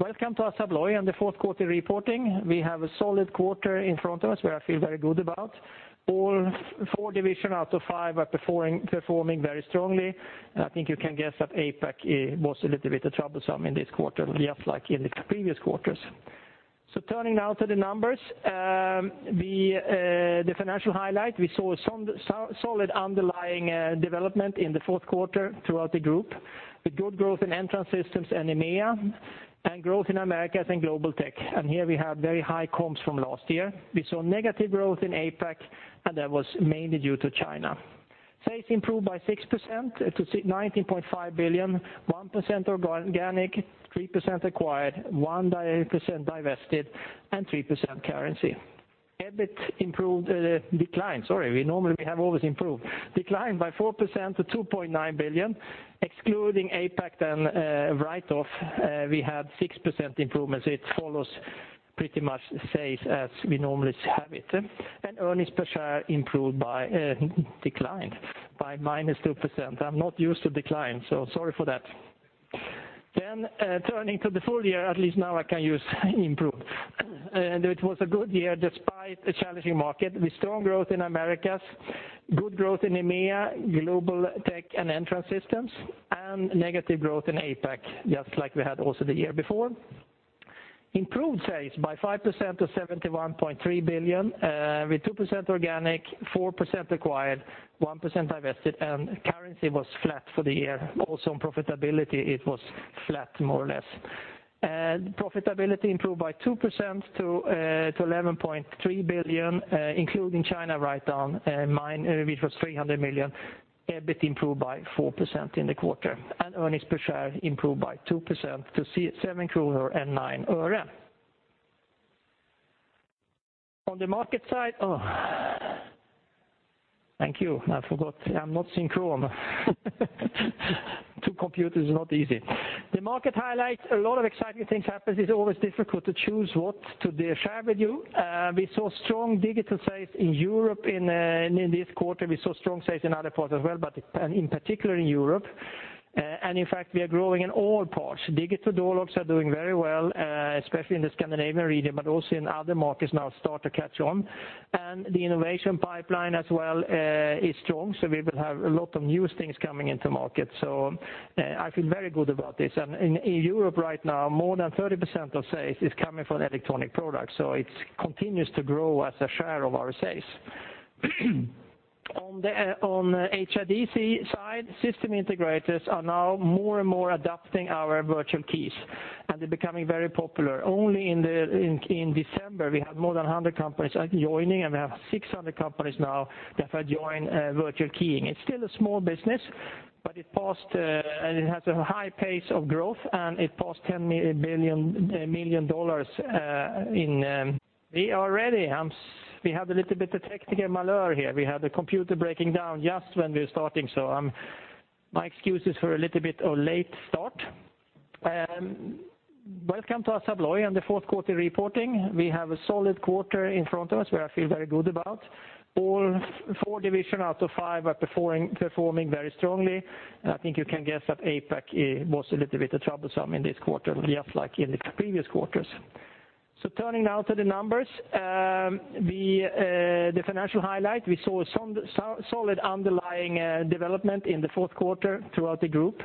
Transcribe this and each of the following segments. Welcome to ASSA ABLOY and the fourth quarter reporting. We have a solid quarter in front of us where I feel very good about. All four divisions out of five are performing very strongly. I think you can guess that APAC was a little bit troublesome in this quarter, just like in the previous quarters. The financial highlight, we saw solid underlying development in the fourth quarter throughout the group,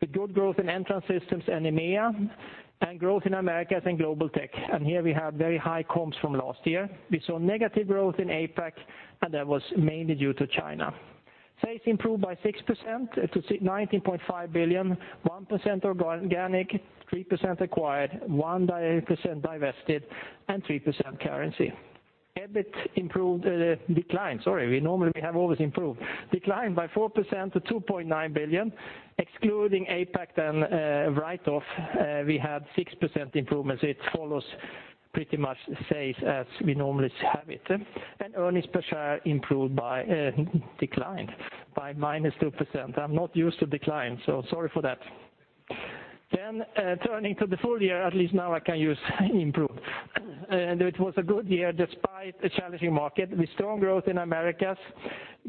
with good growth in Entrance Systems and EMEA, and growth in Americas and Global Tech. Here we have very high comps from last year. We saw negative growth in APAC, and that was mainly due to China. Sales improved by 6% to 19.5 billion, 1% organic, 3% acquired, 1% divested, and 3% currency. EBIT declined, sorry. Normally, we have always improved. Declined by 4% to 2.9 billion, excluding APAC and write-off, we had 6% improvements. It follows pretty much sales as we normally have it. Earnings per share declined by -2%. I'm not used to decline, so sorry for that. Turning to the full year, at least now I can use improved. It was a good year despite a challenging market with strong growth in Americas,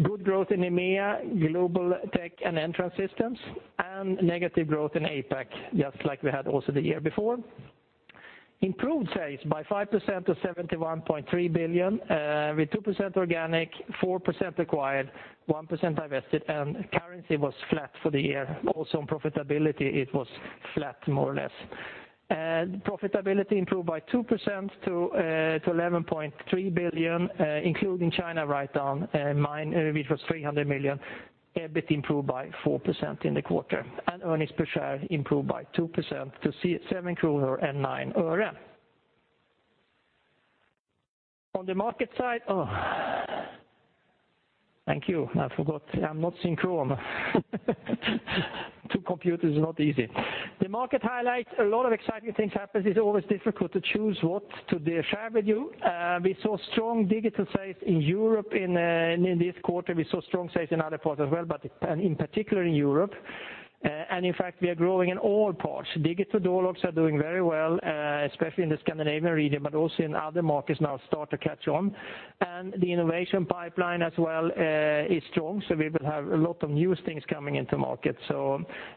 good growth in EMEA, Global Tech and Entrance Systems, and negative growth in APAC, just like we had also the year before. Improved sales by 5% to 71.3 billion, with 2% organic, 4% acquired, 1% divested, and currency was flat for the year. Also, on profitability, it was flat, more or less. Profitability improved by 2% to 11.3 billion, including China write-down, which was 300 million. EBIT improved by 4% in the quarter. Earnings per share improved by 2% to SEK 7.09. Oh, thank you. I forgot I'm not synchronized. Two computers is not easy. The market highlights, a lot of exciting things happened. It's always difficult to choose what to share with you. We saw strong digital sales in Europe in this quarter. We saw strong sales in other parts as well, but in particular in Europe. In fact, we are growing in all parts. Digital door locks are doing very well, especially in the Scandinavian region, but also in other markets now start to catch on. The innovation pipeline as well is strong, so we will have a lot of new things coming into market.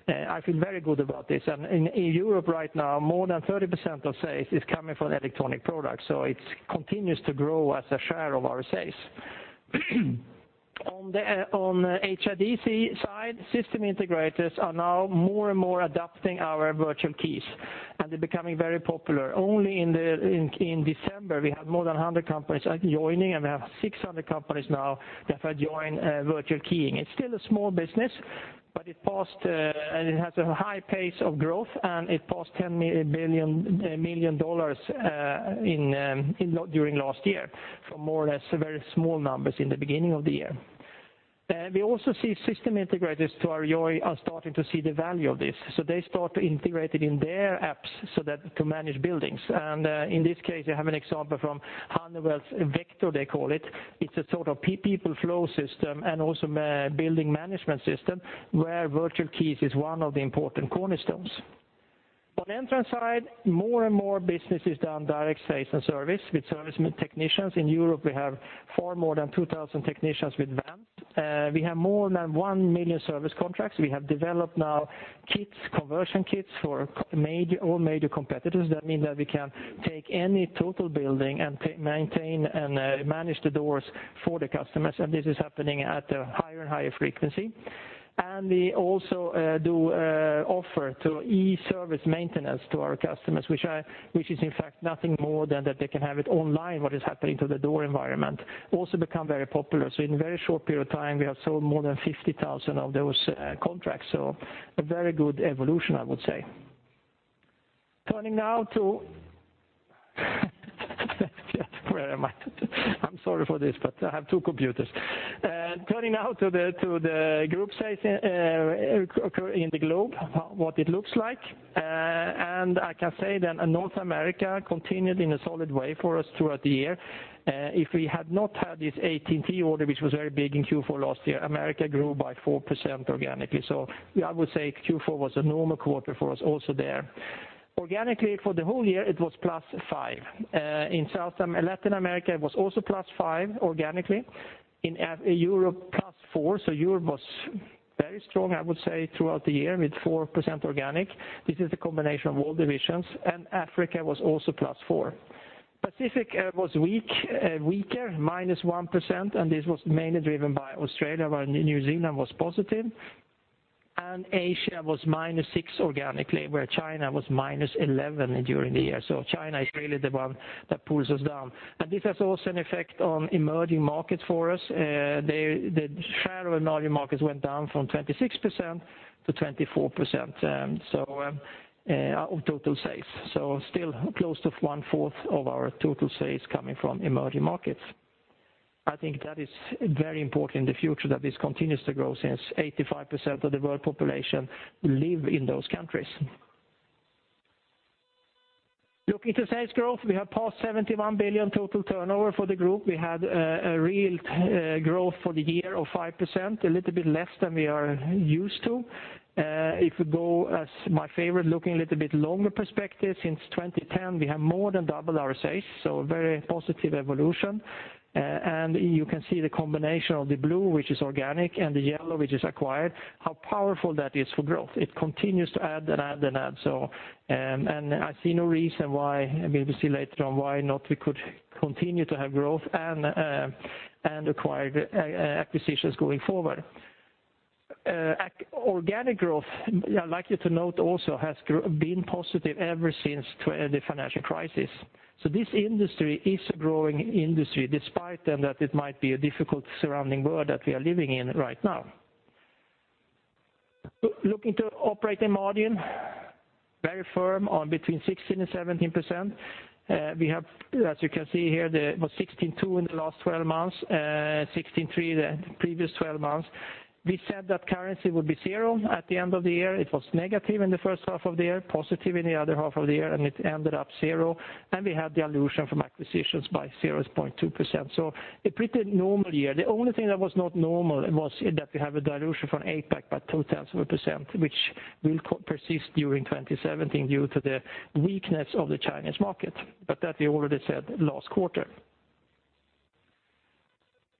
I feel very good about this. In Europe right now, more than 30% of sales is coming from electronic products. It continues to grow as a share of our sales. but it has a high pace of growth, and it passed $10 million during last year, from more or less very small numbers in the beginning of the year. We also see system integrators who are starting to see the value of this. They start to integrate it in their apps to manage buildings, and in this case, we have an example from Honeywell. Vector, they call it. It's a sort of people flow system and also building management system, where virtual keys is one of the important cornerstones. On entrance side, more and more business is done direct sales and service with service technicians. In Europe, we have far more than 2,000 technicians with vans. We have more than 1 million service contracts. We have developed now conversion kits for all major competitors. That means that we can take any total building and maintain and manage the doors for the customers, and this is happening at a higher and higher frequency. We also offer e-service maintenance to our customers, which is in fact nothing more than that they can have it online what is happening to the door environment. Also become very popular. In a very short period of time, we have sold more than 50,000 of those contracts. A very good evolution, I would say. Turning now to where am I. I am sorry for this, but I have two computers. Turning now to the group sales in the globe, what it looks like. I can say that North America continued in a solid way for us throughout the year. If we had not had this AT&T order, which was very big in Q4 last year, Americas grew by 4% organically. I would say Q4 was a normal quarter for us also there. Organically for the whole year, it was +5%. In Latin America, it was also +5% organically. In Europe, +4%. Europe was very strong, I would say, throughout the year with 4% organic. This is a combination of all divisions, and Africa was also +4%. Pacific was weaker, -1%, and this was mainly driven by Australia, where New Zealand was positive. Asia was -6% organically, where China was -11% during the year. China is really the one that pulls us down. This has also an effect on emerging markets for us. The share of emerging markets went down from 26%-24% of total sales. Still close to one-fourth of our total sales coming from emerging markets. I think that is very important in the future that this continues to grow, since 85% of the world population live in those countries. Looking to sales growth, we have passed 71 billion total turnover for the group. We had a real growth for the year of 5%, a little bit less than we are used to. If we go as my favorite, looking a little bit longer perspective, since 2010, we have more than doubled our sales, so very positive evolution. You can see the combination of the blue, which is organic, and the yellow, which is acquired, how powerful that is for growth. It continues to add and add and add, I see no reason why, maybe we see later on why not we could continue to have growth and acquisitions going forward. Organic growth, I'd like you to note also, has been positive ever since the financial crisis. This industry is a growing industry, despite then that it might be a difficult surrounding world that we are living in right now. Looking to operating margin, very firm on between 16%-17%. We have, as you can see here, it was 16.2% in the last 12 months, 16.3% the previous 12 months. We said that currency would be zero at the end of the year. It was negative in the first half of the year, positive in the other half of the year, and it ended up zero, and we had dilution from acquisitions by 0.2%. A pretty normal year. The only thing that was not normal was that we have a dilution from APAC by 0.2%, which will persist during 2017 due to the weakness of the Chinese market. That we already said last quarter.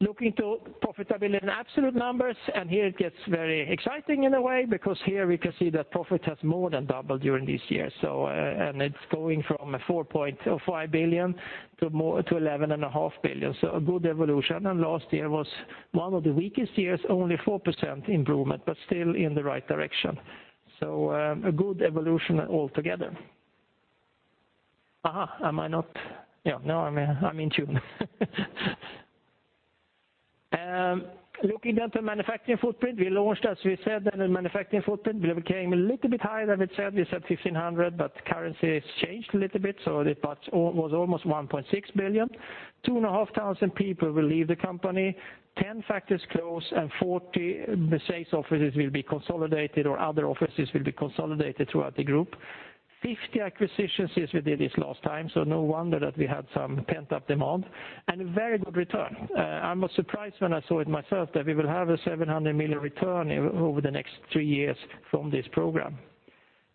Looking to profitability in absolute numbers, and here it gets very exciting in a way, because here we can see that profit has more than doubled during this year. It's going from 4.5 billion to 11.5 billion, so a good evolution, and last year was one of the weakest years, only 4% improvement, but still in the right direction. A good evolution altogether. Am I not? Yeah, now I'm in tune. Looking at the manufacturing footprint, we launched, as we said, a manufacturing footprint. It became a little bit higher than we said. We said 1.5 billion. Currency has changed a little bit, so it was almost 1.6 billion. 2,500 people will leave the company, 10 factories close, and 40 sales offices will be consolidated, or other offices will be consolidated throughout the group. 50 acquisitions since we did this last time. No wonder that we had some pent-up demand, and very good return. I was surprised when I saw it myself that we will have a 700 million return over the next three years from this program.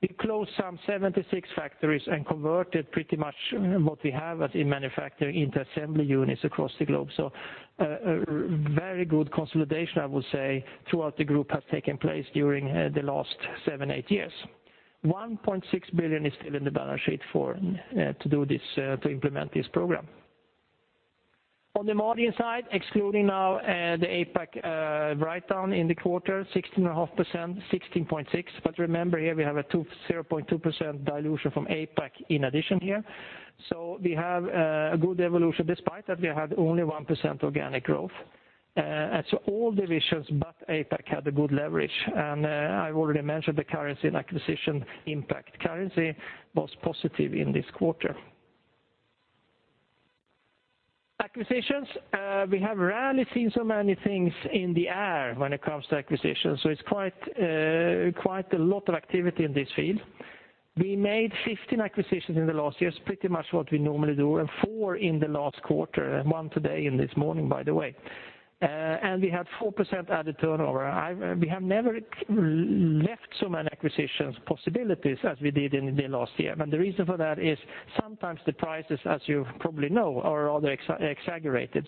We closed some 76 factories and converted pretty much what we have as in manufacturing into assembly units across the globe. A very good consolidation, I will say, throughout the group has taken place during the last seven, eight years. 1.6 billion is still in the balance sheet to implement this program. On the margin side, excluding now the APAC write-down in the quarter, 16.5%, 16.6%. Remember here we have a 0.2% dilution from APAC in addition here. We have a good evolution despite that we had only 1% organic growth. All divisions but APAC had a good leverage, and I've already mentioned the currency and acquisition impact. Currency was positive in this quarter. Acquisitions, we have rarely seen so many things in the air when it comes to acquisitions. It's quite a lot of activity in this field. We made 15 acquisitions in the last year. It's pretty much what we normally do, and four in the last quarter, and one today in this morning, by the way. We had 4% added turnover. We have never left so many acquisitions possibilities as we did in the last year. The reason for that is sometimes the prices, as you probably know, are rather exaggerated.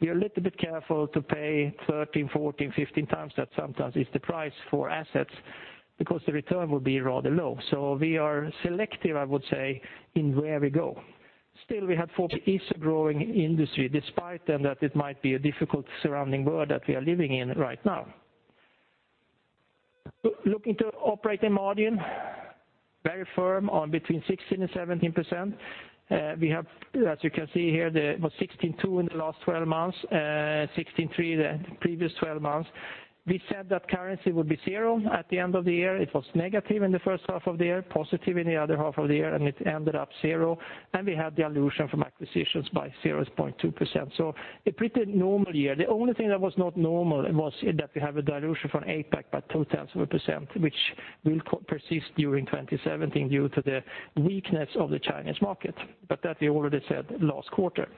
We are a little bit careful to pay 13, 14, 15 times that sometimes is the price for assets because the return will be rather low. We are selective, I would say, in where we go. Still we had 4%. It is a growing industry, despite then that it might be a difficult surrounding world that we are living in right now. Looking to operating margin, very firm on between 16% and 17%. We have, as you can see here, it was 16.2% in the last 12 months, 16.3% the previous 12 months. We said that currency would be zero at the end of the year. It was negative in the first half of the year, positive in the other half of the year, and it ended up zero. We had dilution from acquisitions by 0.2%. A pretty normal year. The only thing that was not normal was that we have a dilution from APAC by two tenths of a percent, which will persist during 2017 due to the weakness of the Chinese market, but that we already said last quarter.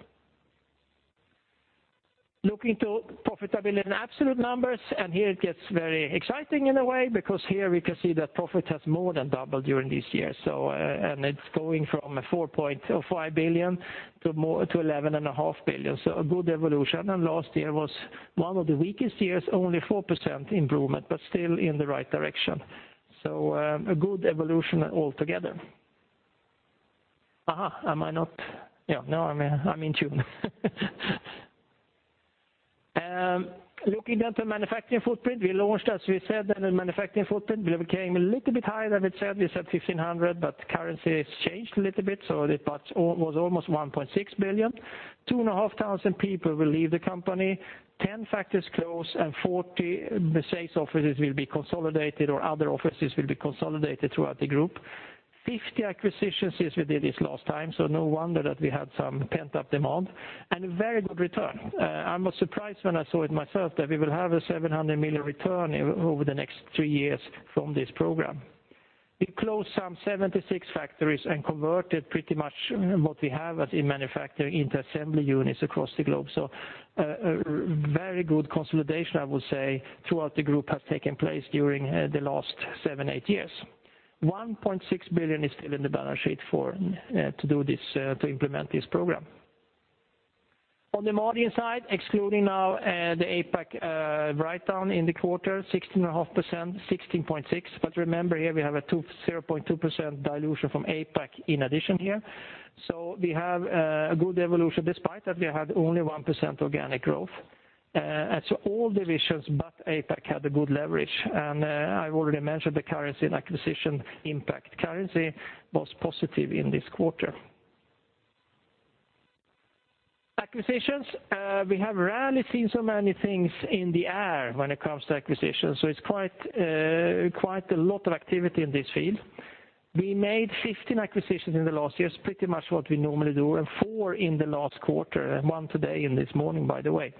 Looking to profitability in absolute numbers, here it gets very exciting in a way, because here we can see that profit has more than doubled during this year. It is going from 4.5 billion to 11.5 billion. A good evolution. Last year was one of the weakest years, only 4% improvement, but still in the right direction. A good evolution altogether. Am I not? Yeah. Now I'm in tune. Looking to manufacturing footprint. We launched, as we said, a manufacturing footprint. We became a little bit higher than we said. We said 1.5 billion, currency has changed a little bit, it was almost 1.6 billion. 2,500 people will leave the company, 10 factories close, and 40 sales offices will be consolidated, or other offices will be consolidated throughout the group. 50 acquisitions since we did this last time, no wonder that we had some pent-up demand. Very good return. I was surprised when I saw it myself that we will have a 700 million return over the next three years from this program. We closed some 76 factories and converted pretty much what we have as in manufacturing into assembly units across the globe. A very good consolidation, I would say, throughout the group has taken place during the last seven, eight years. 1.6 billion is still in the balance sheet to implement this program. On the margin side, excluding now the APAC write-down in the quarter, 16.5%, 16.6%. Remember here we have a 0.2% dilution from APAC in addition here. We have a good evolution despite that we had only 1% organic growth. All divisions but APAC had a good leverage. I've already mentioned the currency and acquisition impact. Currency was positive in this quarter. Acquisitions, we have rarely seen so many things in the air when it comes to acquisitions, it's quite a lot of activity in this field. We made 15 acquisitions in the last year. It's pretty much what we normally do, and four in the last quarter, and one today in this morning, by the way.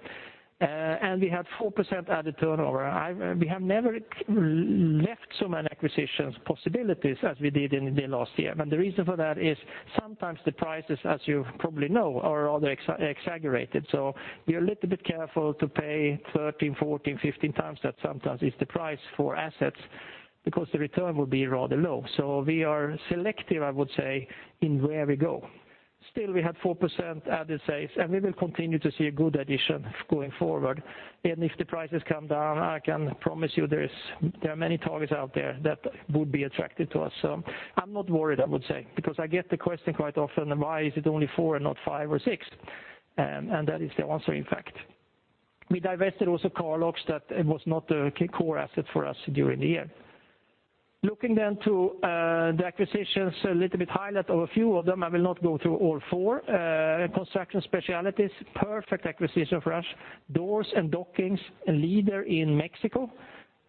We had 4% added turnover. We have never left so many acquisitions possibilities as we did in the last year. The reason for that is sometimes the prices, as you probably know, are rather exaggerated. We are a little bit careful to pay 13, 14, 15 times that sometimes is the price for assets because the return will be rather low. We are selective, I would say, in where we go. Still, we had 4% added sales, we will continue to see a good addition going forward. If the prices come down, I can promise you there are many targets out there that would be attractive to us. I'm not worried, I would say, because I get the question quite often, why is it only four and not five or six? That is the answer, in fact. We divested also Carlox. That was not a core asset for us during the year. Looking to the acquisitions, a little bit highlight of a few of them. I will not go through all four. Construction Specialties, perfect acquisition for us. Doors and Dockings, a leader in Mexico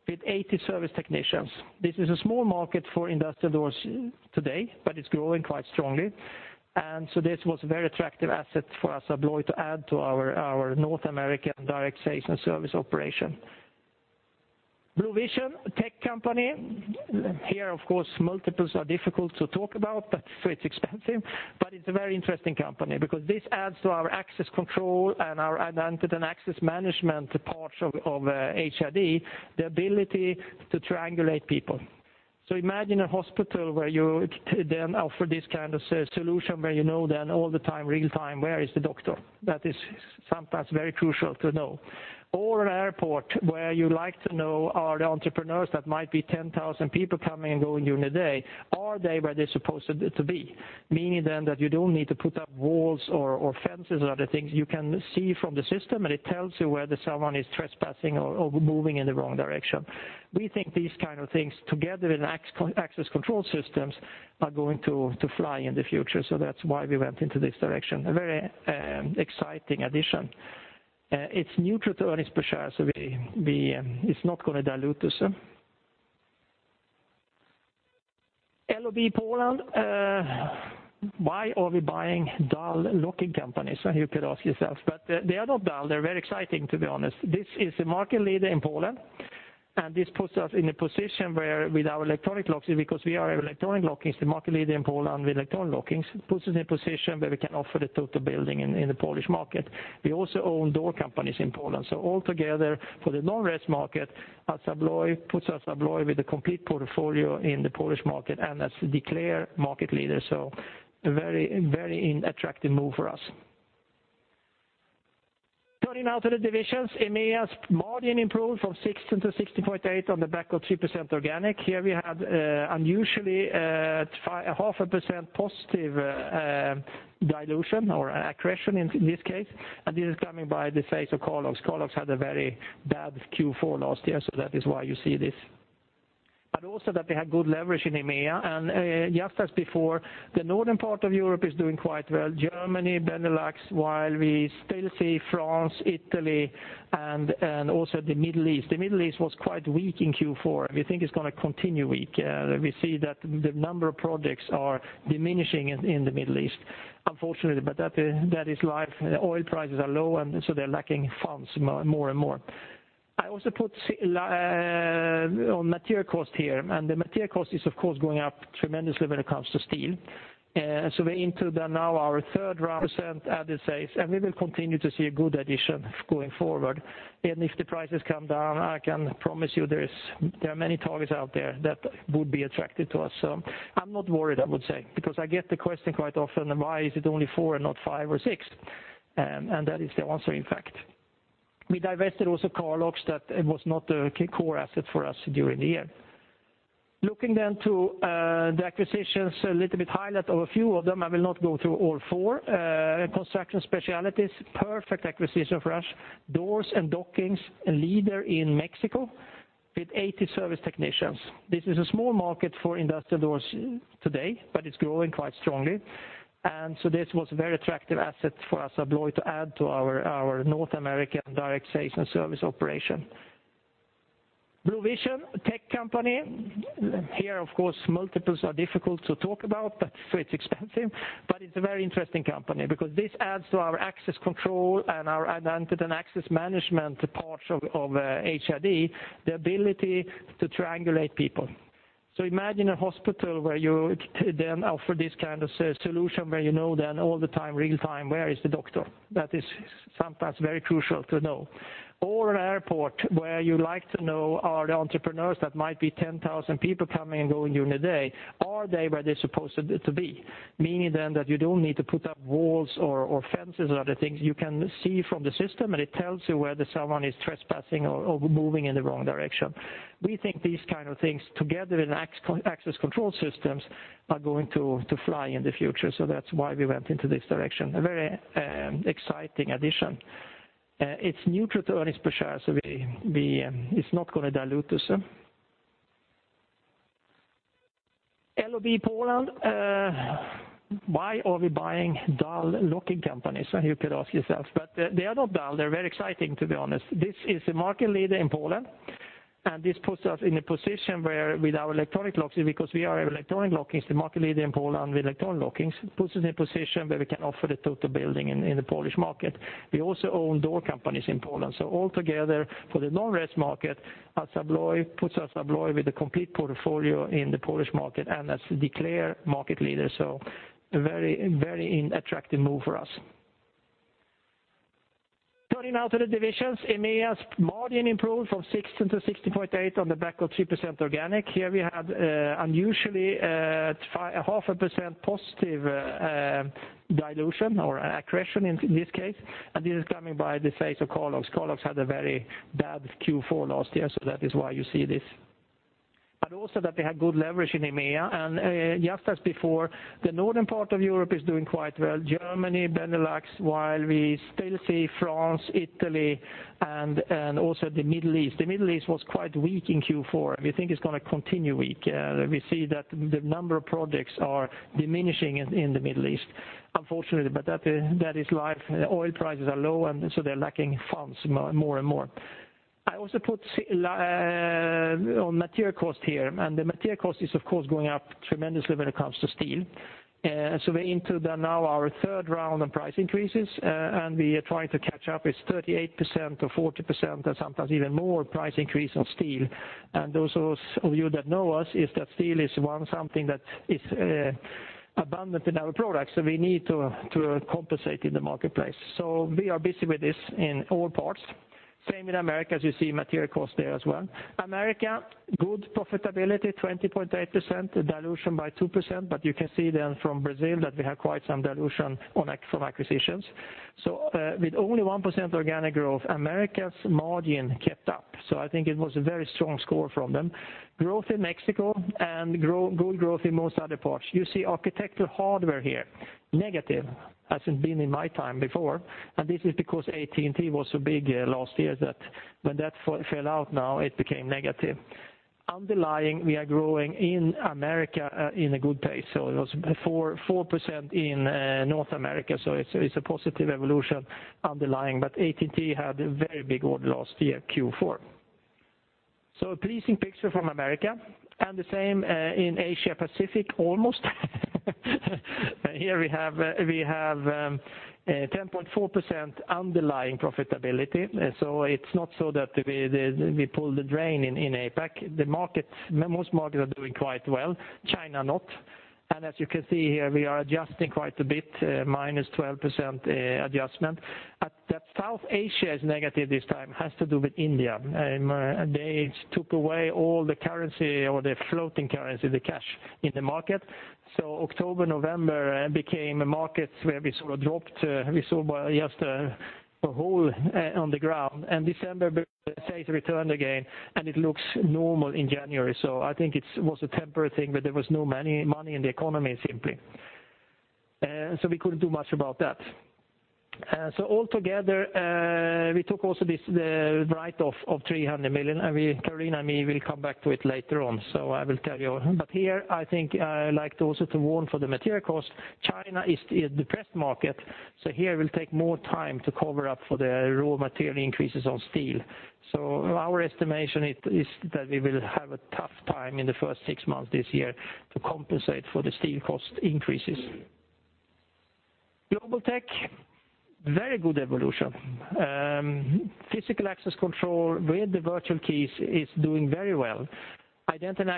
with 80 service technicians. This is a small market for industrial doors today, but it's growing quite strongly, this was a very attractive asset for ASSA ABLOY to add to our North American direct sales and service operation. Bluvision, a tech company. Here, of course, multiples are difficult to talk about, but it's expensive. It's a very interesting company because this adds to our access control and our identity and access management part of HID, the ability to triangulate people. Imagine a hospital where you then offer this kind of solution where you know then all the time, real time, where is the doctor? That is sometimes very crucial to know. An airport where you like to know are the entrepreneurs that might be 10,000 people coming and going during the day, are they where they're supposed to be? Meaning then that you don't need to put up walls or fences or other things. You can see from the system, it tells you whether someone is trespassing or moving in the wrong direction. We think these kind of things together with access control systems are going to fly in the future, that's why we went into this direction. A very exciting addition. It's neutral to earnings per share, it's not going to dilute us. LOB Poland, why are we buying dull locking companies? You could ask yourself, they are not dull. They're very exciting, to be honest. This is the market leader in Poland, this puts us in a position where with our electronic locks, because we are electronic lockings, the market leader in Poland with electronic lockings, puts us in a position where we can offer the total building in the Polish market. We also own door companies in Poland, all together for the non-res market, puts Assa Abloy with a complete portfolio in the Polish market and as the clear market leader. A very attractive move for us. Turning now to the divisions, EMEA's margin improved from 16 to 16.8 on the back of 3% organic. Here we had unusually 0.5% positive dilution or accretion in this case, this is coming by the face of Carlox. Carlox had a very bad Q4 last year, that is why you see this. Also that we had good leverage in EMEA, just as before, the northern part of Europe is doing quite well. Germany, Benelux, while we still see France, Italy, also the Middle East. The Middle East was quite weak in Q4. We think it's going to continue weak. We see that the number of projects are diminishing in the Middle East, unfortunately, that is life. Oil prices are low, they're lacking funds more and more. I also put on material cost here, the material cost is, of course, going up tremendously when it comes to steel. We're into the now our third round of % added sales, we will continue to see a good addition going forward. If the prices come down, I can promise you there are many targets out there that would be attractive to us. I'm not worried, I would say, because I get the question quite often, why is it only four and not five or six? That is the answer, in fact. We divested also Carlox that it was not a core asset for us during the year. To the acquisitions, a little bit highlight of a few of them. I will not go through all four. Construction Specialties, perfect acquisition for us. Doors and Dockings, a leader in Mexico with 80 service technicians. This is a small market for industrial doors today, but it is growing quite strongly, this was a very attractive asset for ASSA ABLOY to add to our North American direct sales and service operation. Bluvision, a tech company. Multiples are difficult to talk about, but it is expensive. It is a very interesting company because this adds to our access control and our identity and access management part of HID, the ability to triangulate people. Imagine a hospital where you then offer this kind of solution where you know then all the time, real time, where is the doctor? That is sometimes very crucial to know. Or an airport where you like to know are the entrepreneurs that might be 10,000 people coming and going during the day, are they where they are supposed to be? Meaning that you do not need to put up walls or fences or other things. You can see from the system, it tells you whether someone is trespassing or moving in the wrong direction. We think these kind of things together with access control systems are going to fly in the future, that is why we went into this direction. A very exciting addition. It is neutral to earnings per share, it is not going to dilute us. LOB Poland, why are we buying dull locking companies? You could ask yourself, they are not dull. They are very exciting, to be honest. This is the market leader in Poland, this puts us in a position where with our electronic locks, because we are electronic lockings, the market leader in Poland with electronic lockings, puts us in a position where we can offer the total building in the Polish market. We also own door companies in Poland, all together for the non-res market, puts ASSA ABLOY with a complete portfolio in the Polish market and as the clear market leader. A very attractive move for us. To the divisions, EMEA's margin improved from 16 to 16.8 on the back of 3% organic. We had unusually 0.5% positive dilution or accretion in this case, this is coming by the face of Carlox. Carlox had a very bad Q4 last year, that is why you see this. Also that we had good leverage in EMEA, just as before, the northern part of Europe is doing quite well. Germany, Benelux, while we still see France, Italy, and also the Middle East. The Middle East was quite weak in Q4. We think it is going to continue weak. We see that the number of projects are diminishing in the Middle East, unfortunately, that is life. Oil prices are low, they are lacking funds more and more. Same in Americas, as you see material cost there as well. Americas, good profitability, 20.8%, dilution by 2%, you can see then from Brazil that we have quite some dilution from acquisitions. With only 1% organic growth, Americas' margin kept up. I think it was a very strong score from them. Growth in Mexico, good growth in most other parts. You see architectural hardware here, negative, hasn't been in my time before, this is because AT&T was so big last year that when that fell out now, it became negative. Underlying, we are growing in Americas in a good pace. It was 4% in North America. It's a positive evolution underlying. AT&T had a very big order last year, Q4. A pleasing picture from Americas, and the same in Asia Pacific almost. Here we have 10.4% underlying profitability. It's not so that we pull the drain in APAC. Most markets are doing quite well, China not. As you can see here, we are adjusting quite a bit, minus 12% adjustment. That South Asia is negative this time, has to do with India. They took away all the currency or the floating currency, the cash in the market. October, November became markets where we sort of dropped. We saw just a hole on the ground, December sales returned again, and it looks normal in January. I think it was a temporary thing, there was no money in the economy simply. We couldn't do much about that. Altogether, we took also this write-off of 300 million, and Carolina and me will come back to it later on, so I will tell you. Here, I think I like also to warn for the material cost. China is a depressed market, here it will take more time to cover up for the raw material increases on steel. Our estimation is that we will have a tough time in the first six months this year to compensate for the steel cost increases. Global Tech, very good evolution. Physical access control with the virtual keys is doing very well. Identity and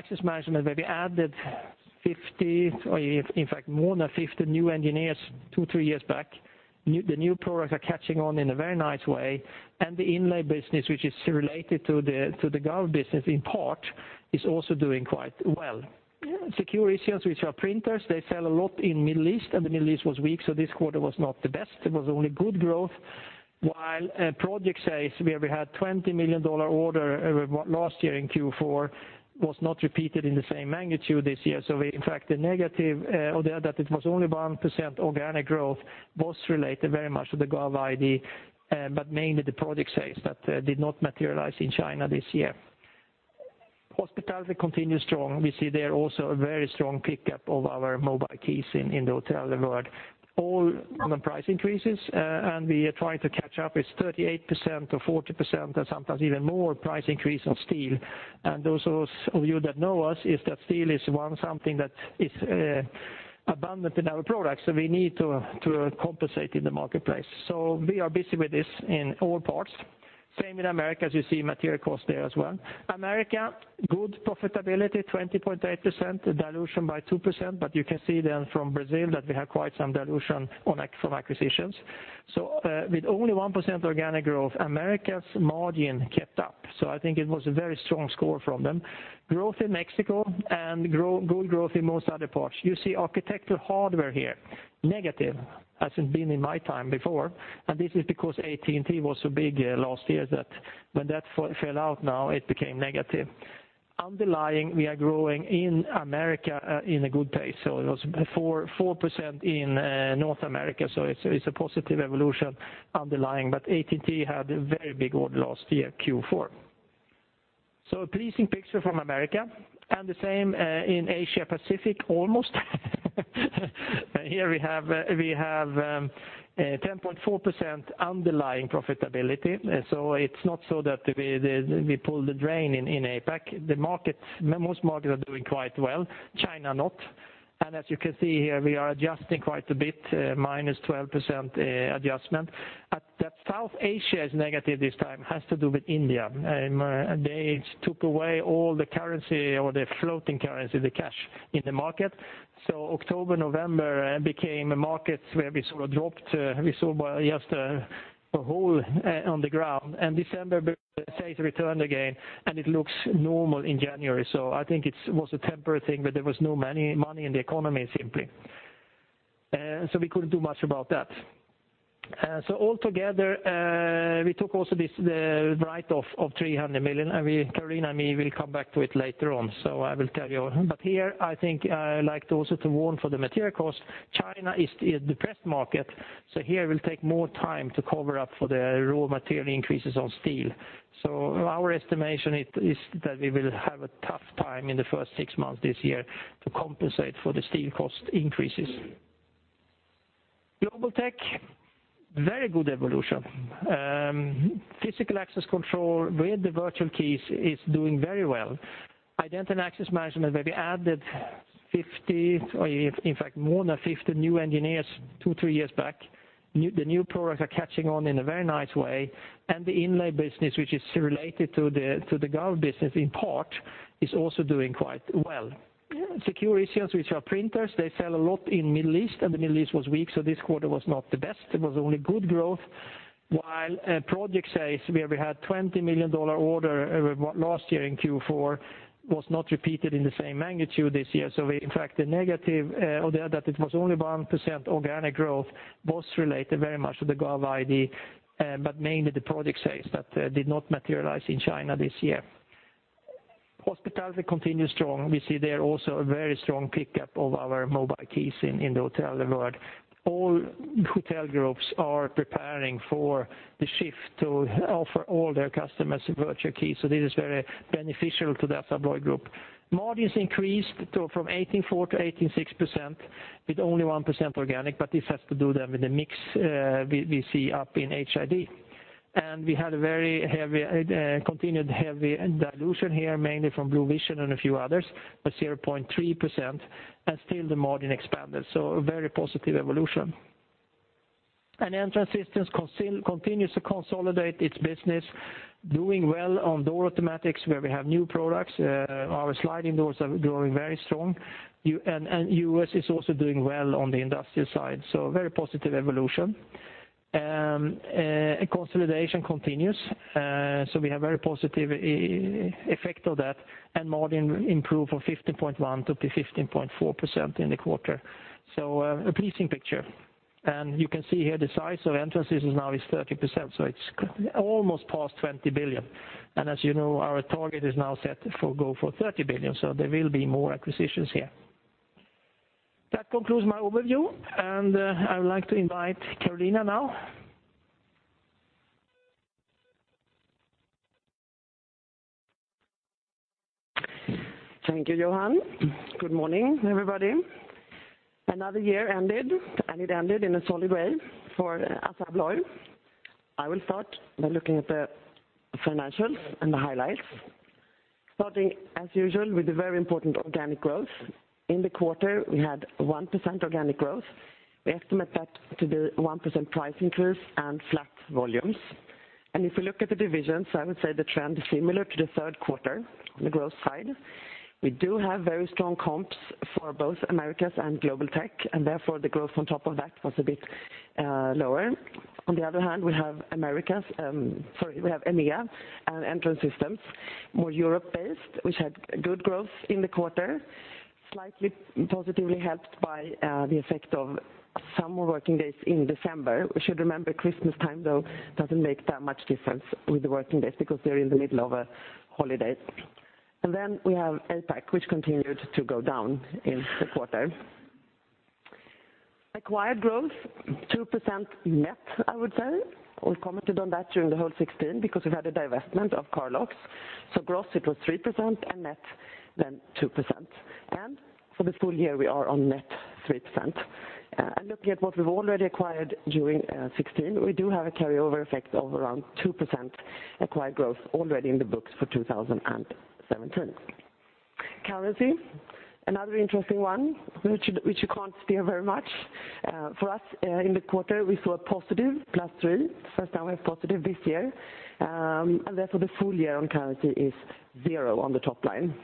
access management, where we added 50, or in fact more than 50 new engineers two, three years back. The new products are catching on in a very nice way, the inlay business, which is related to the gov ID business in part, is also doing quite well. Secure Issuance, which are printers, they sell a lot in Middle East, the Middle East was weak, this quarter was not the best. It was only good growth. While project sales, where we had a $20 million order last year in Q4, was not repeated in the same magnitude this year. In fact, the negative of that, it was only 1% organic growth, was related very much to the gov ID, but mainly the project sales that did not materialize in China this year. Hospitality continued strong. We see there also a very strong pickup of our mobile keys in the hotel world. All hotel groups are preparing for the shift to offer all their customers virtual keys. This is very beneficial to the ASSA ABLOY group. Margins increased from 18.4% to 18.6% with only 1% organic. This has to do then with the mix we see up in HID. We had a very continued heavy dilution here, mainly from Bluvision and a few others, but 0.3%, and still the margin expanded. A very positive evolution. Entrance Systems continues to consolidate its business, doing well on door automatics where we have new products. Our sliding doors are growing very strong. U.S. is also doing well on the industrial side, so a very positive evolution. Consolidation continues. We have very positive effect of that, and margin improved from 15.1% to 15.4% in the quarter. A pleasing picture. You can see here the size of Entrance Systems now is 30%, so it's almost past 20 billion. As you know, our target is now set for go for 30 billion. There will be more acquisitions here. That concludes my overview. I would like to invite Carolina now. Thank you, Johan. Good morning, everybody. Another year ended. It ended in a solid way for ASSA ABLOY. I will start by looking at the financials and the highlights. Starting, as usual, with the very important organic growth. In the quarter, we had 1% organic growth. We estimate that to be 1% price increase and flat volumes. If you look at the divisions, I would say the trend is similar to the third quarter on the growth side. We do have very strong comps for both Americas and Global Technologies. Therefore, the growth on top of that was a bit lower. On the other hand, we have EMEA and Entrance Systems, more Europe-based, which had good growth in the quarter, slightly positively helped by the effect of some working days in December. We should remember Christmas time, though, doesn't make that much difference with the working days because they're in the middle of a holiday. Then we have APAC, which continued to go down in the quarter. Acquired growth, 2% net, I would say. We've commented on that during the whole 2016 because we've had a divestment of Carlox. Gross, it was 3%, and net, then 2%. For the full year, we are on net 3%. Looking at what we've already acquired during 2016, we do have a carryover effect of around 2% acquired growth already in the books for 2017. Currency, another interesting one, which you can't steer very much. For us, in the quarter, we saw a positive, +3, first time we have positive this year. Therefore, the full year on currency is zero on the top line.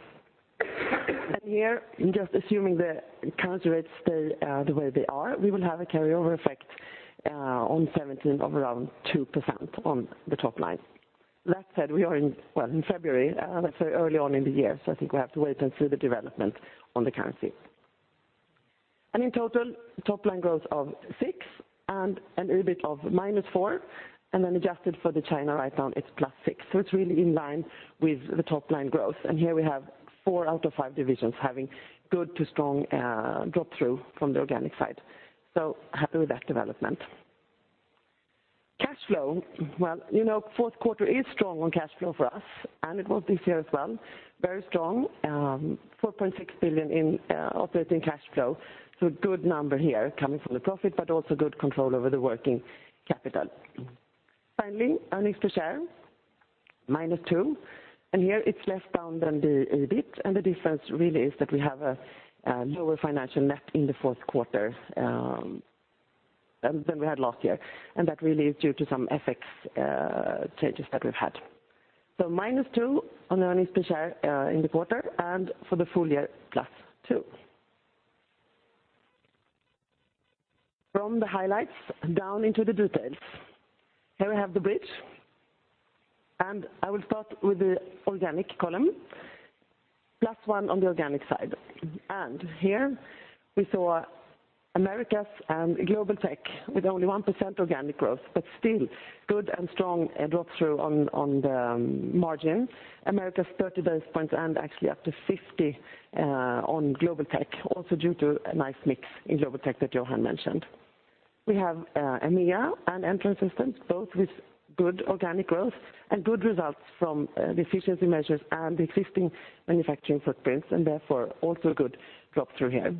Here, just assuming the currency rates stay the way they are, we will have a carryover effect on 2017 of around 2% on the top line. That said, we are in February, let's say early on in the year, I think we have to wait and see the development on the currency. In total, top line growth of 6% and an EBIT of -4%, then adjusted for the China write-down, it's +6%. It's really in line with the top line growth. Here we have four out of five divisions having good to strong drop-through from the organic side. Happy with that development. Cash flow. Fourth quarter is strong on cash flow for us, and it was this year as well. Very strong. 4.6 billion in operating cash flow. A good number here coming from the profit, also good control over the working capital. Finally, earnings per share, -2%. Here it's less down than the EBIT, the difference really is that we have a lower financial net in the fourth quarter than we had last year, that really is due to some FX changes that we've had. Minus 2% on the earnings per share in the quarter, and for the full year, +2%. From the highlights, down into the details. Here we have the bridge, I will start with the organic column, +1% on the organic side. Here we saw Americas and Global Technologies with only 1% organic growth, still good and strong drop-through on the margin. Americas, 30 basis points, actually up to 50 on Global Technologies, also due to a nice mix in Global Technologies that Johan mentioned. We have EMEA and Entrance Systems, both with good organic growth and good results from the efficiency measures and the existing manufacturing footprints, therefore also good drop-through here.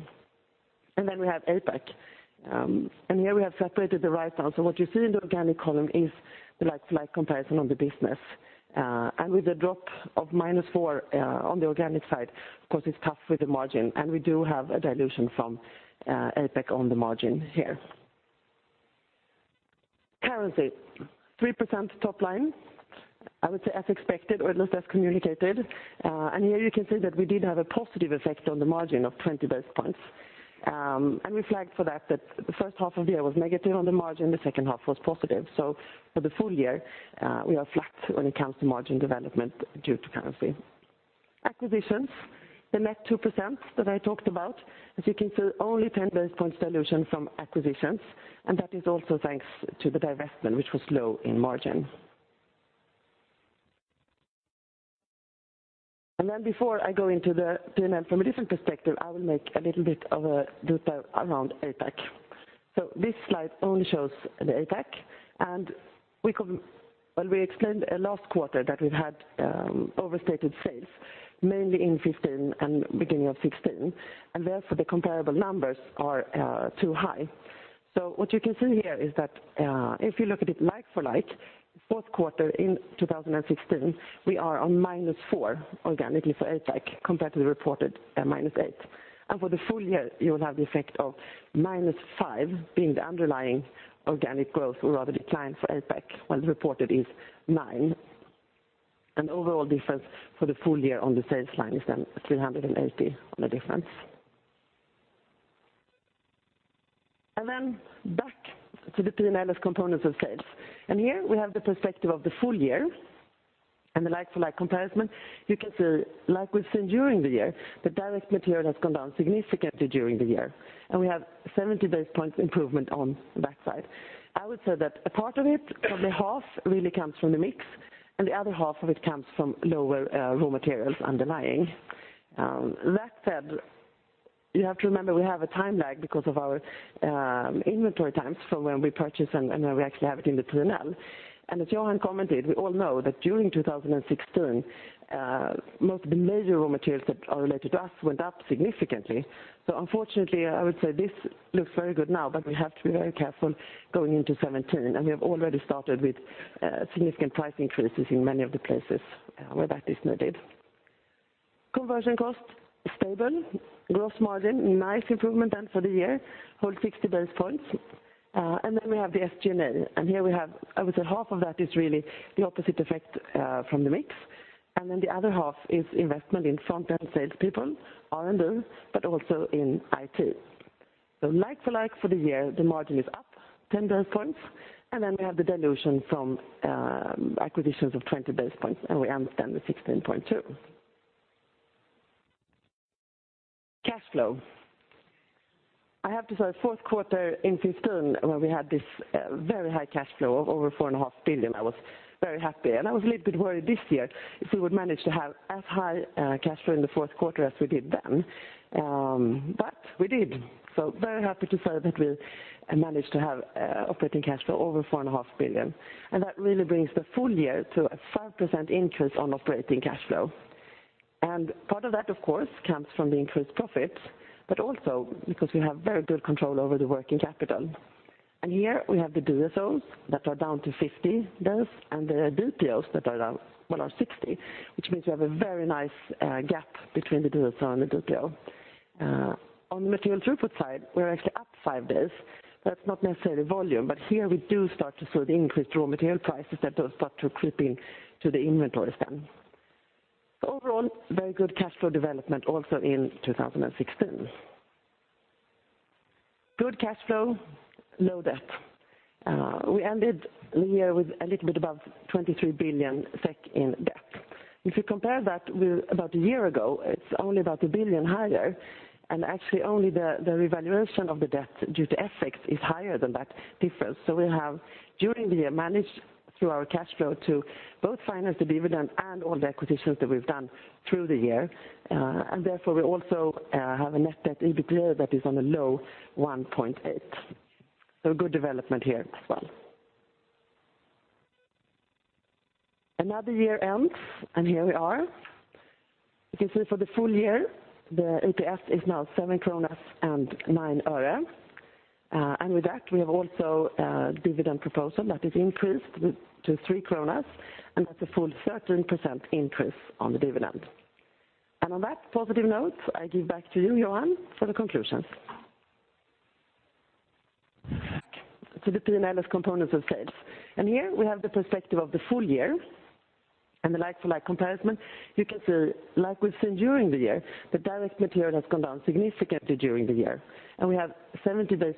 We have APAC. Here we have separated the write-down. What you see in the organic column is the like-to-like comparison on the business. With a drop of -4% on the organic side, of course it's tough with the margin, we do have a dilution from APAC on the margin here. Currency, 3% top line I would say as expected, or at least as communicated. Here you can see that we did have a positive effect on the margin of 20 basis points. We flagged for that the first half of the year was negative on the margin, the second half was positive. For the full year, we are flat when it comes to margin development due to currency. Acquisitions, the net 2% that I talked about. As you can see, only 10 basis points dilution from acquisitions, that is also thanks to the divestment, which was low in margin. Before I go into the P&L from a different perspective, I will make a little bit of a loop around APAC. This slide only shows the APAC, we explained last quarter that we've had overstated sales, mainly in 2015 and beginning of 2016, therefore the comparable numbers are too high. What you can see here is that, if you look at it like-for-like, fourth quarter in 2016, we are on -4% organically for APAC compared to the reported -8%. For the full year, you will have the effect of -5% being the underlying organic growth or rather decline for APAC, while the reported is 9%. Overall difference for the full year on the sales line is 380 on the difference. Back to the P&L as components of sales. Here we have the perspective of the full year and the like-for-like comparison. You can see, like we've seen during the year, the direct material has gone down significantly during the year, and we have 70 basis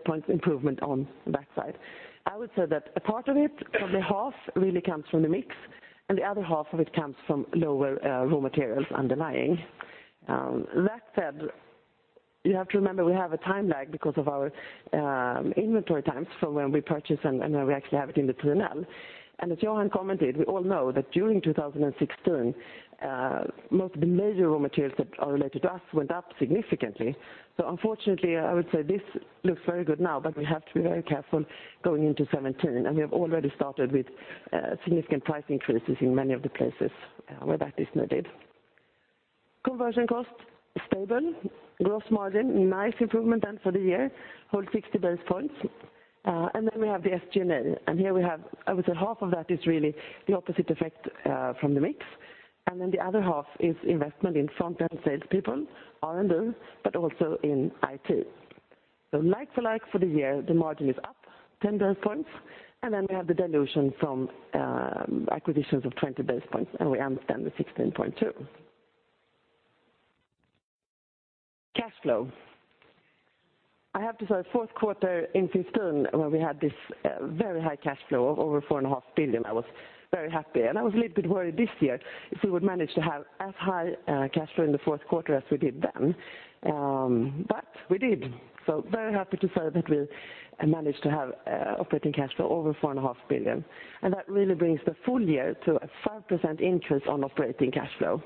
points improvement on that side. I would say that a part of it, probably half, really comes from the mix, and the other half of it comes from lower raw materials underlying. That said, you have to remember we have a time lag because of our inventory times from when we purchase and when we actually have it in the P&L. As Johan commented, we all know that during 2016, most of the major raw materials that are related to us went up significantly. Unfortunately, I would say this looks very good now, but we have to be very careful going into 2017. We have already started with significant price increases in many of the places where that is needed. Conversion cost, stable. Gross margin, nice improvement then for the year, whole 60 basis points. We have the SG&A. Here we have, I would say half of that is really the opposite effect from the mix. The other half is investment in front-end salespeople, R&D, but also in IT. Like-for-like for the year, the margin is up 10 basis points. We have the dilution from acquisitions of 20 basis points, and we understand the 16.2%. Cash flow. I have to say, fourth quarter in 2015, where we had this very high cash flow of over 4.5 billion, I was very happy. I was a little bit worried this year if we would manage to have as high cash flow in the fourth quarter as we did then. We did. Very happy to say that we managed to have operating cash flow over 4.5 billion. That really brings the full year to a 5% increase on operating cash flow.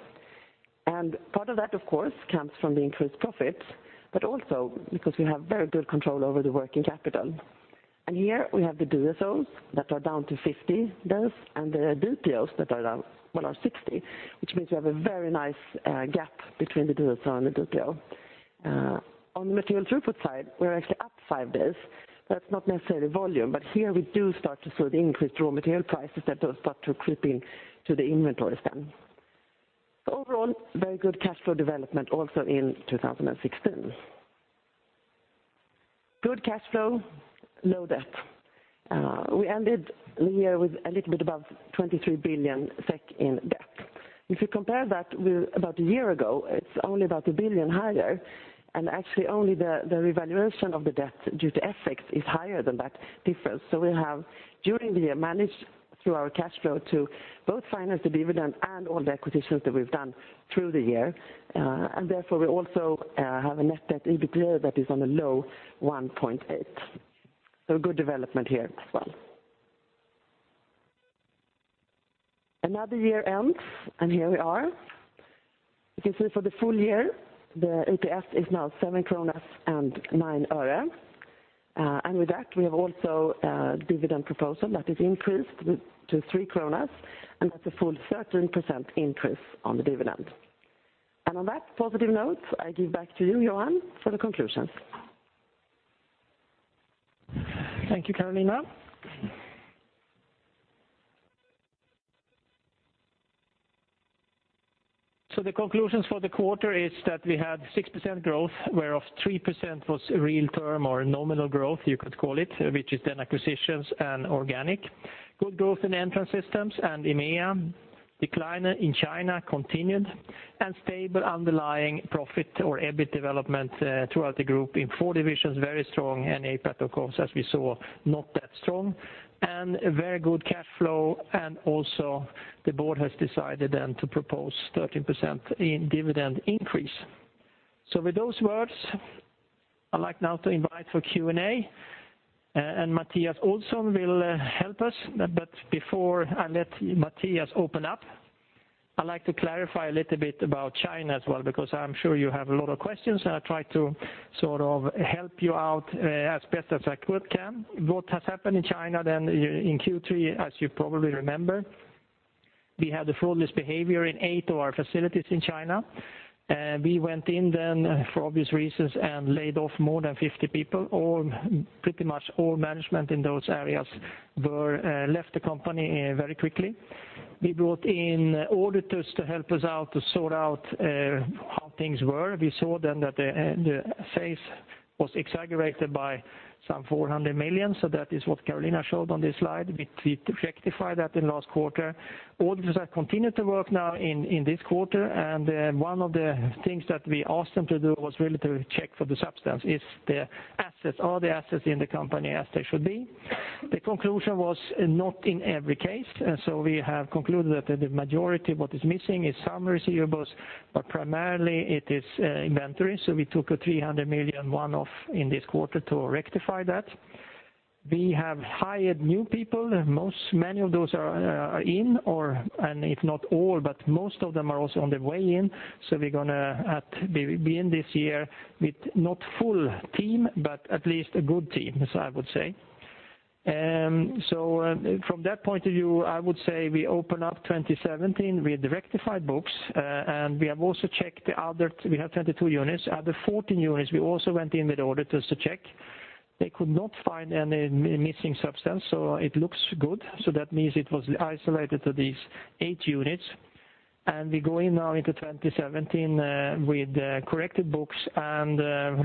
Part of that, of course, comes from the increased profits, but also because we have very good control over the working capital. Here we have the DSO that are down to 50 days and the DPO that are around 60, which means we have a very nice gap between the DSO and the DPO. On the material throughput side, we're actually up five days. That's not necessarily volume, but here we do start to see the increased raw material prices that start to creep into the inventories then. Overall, very good cash flow development also in 2016. Good cash flow, low debt. We ended the year with a little bit above 23 billion SEK in debt. If you compare that with about a year ago, it's only about 1 billion higher, and actually only the revaluation of the debt due to FX is higher than that difference. We have, during the year, managed through our cash flow to both finance the dividend and all the acquisitions that we've done through the year. Therefore we also have a net debt/EBITDA that is on a low 1.8. Good development here as well. Another year ends, and here we are. You can see for the full year, the EPS is now 7 krona and 9 öre. The conclusions for the quarter are that we had 6% growth, whereof 3% was real term or nominal growth you could call it, which is then acquisitions and organic. Good growth in Entrance Systems and EMEA. Decline in China continued, and stable underlying profit or EBIT development throughout the group in 4 divisions, very strong. NA, APAC, as we saw, not that strong. Very good cash flow, and also the board has decided then to propose 13% in dividend increase. With those words, I would like now to invite for Q&A. Mattias Olsson will help us. Before I let Mattias open up, I would like to clarify a little bit about China as well, because I am sure you have a lot of questions, and I will try to help you out as best as I can. What has happened in China then in Q3, as you probably remember, we had the fraudulent behavior in eight of our facilities in China. We went in then, for obvious reasons, and laid off more than 50 people. Pretty much all management in those areas left the company very quickly. We brought in auditors to help us out to sort out how things were. We saw then that the sales was exaggerated by some 400 million. That is what Carolina showed on this slide. We rectified that in last quarter. Auditors have continued to work now in this quarter, and one of the things that we asked them to do was really to check for the substance. Are the assets in the company as they should be? The conclusion was not in every case. We have concluded that the majority what is missing is some receivables, but primarily it is inventory. We took a 300 million one-off in this quarter to rectify that. We have hired new people. Many of those are in, and if not all, but most of them are also on the way in. We are going to be in this year with not full team, but at least a good team, as I would say. From that point of view, I would say we open up 2017 with rectified books. We have 22 units. Other 14 units, we also went in with auditors to check. They could not find any missing substance, so it looks good. That means it was isolated to these eight units. We go in now into 2017 with corrected books and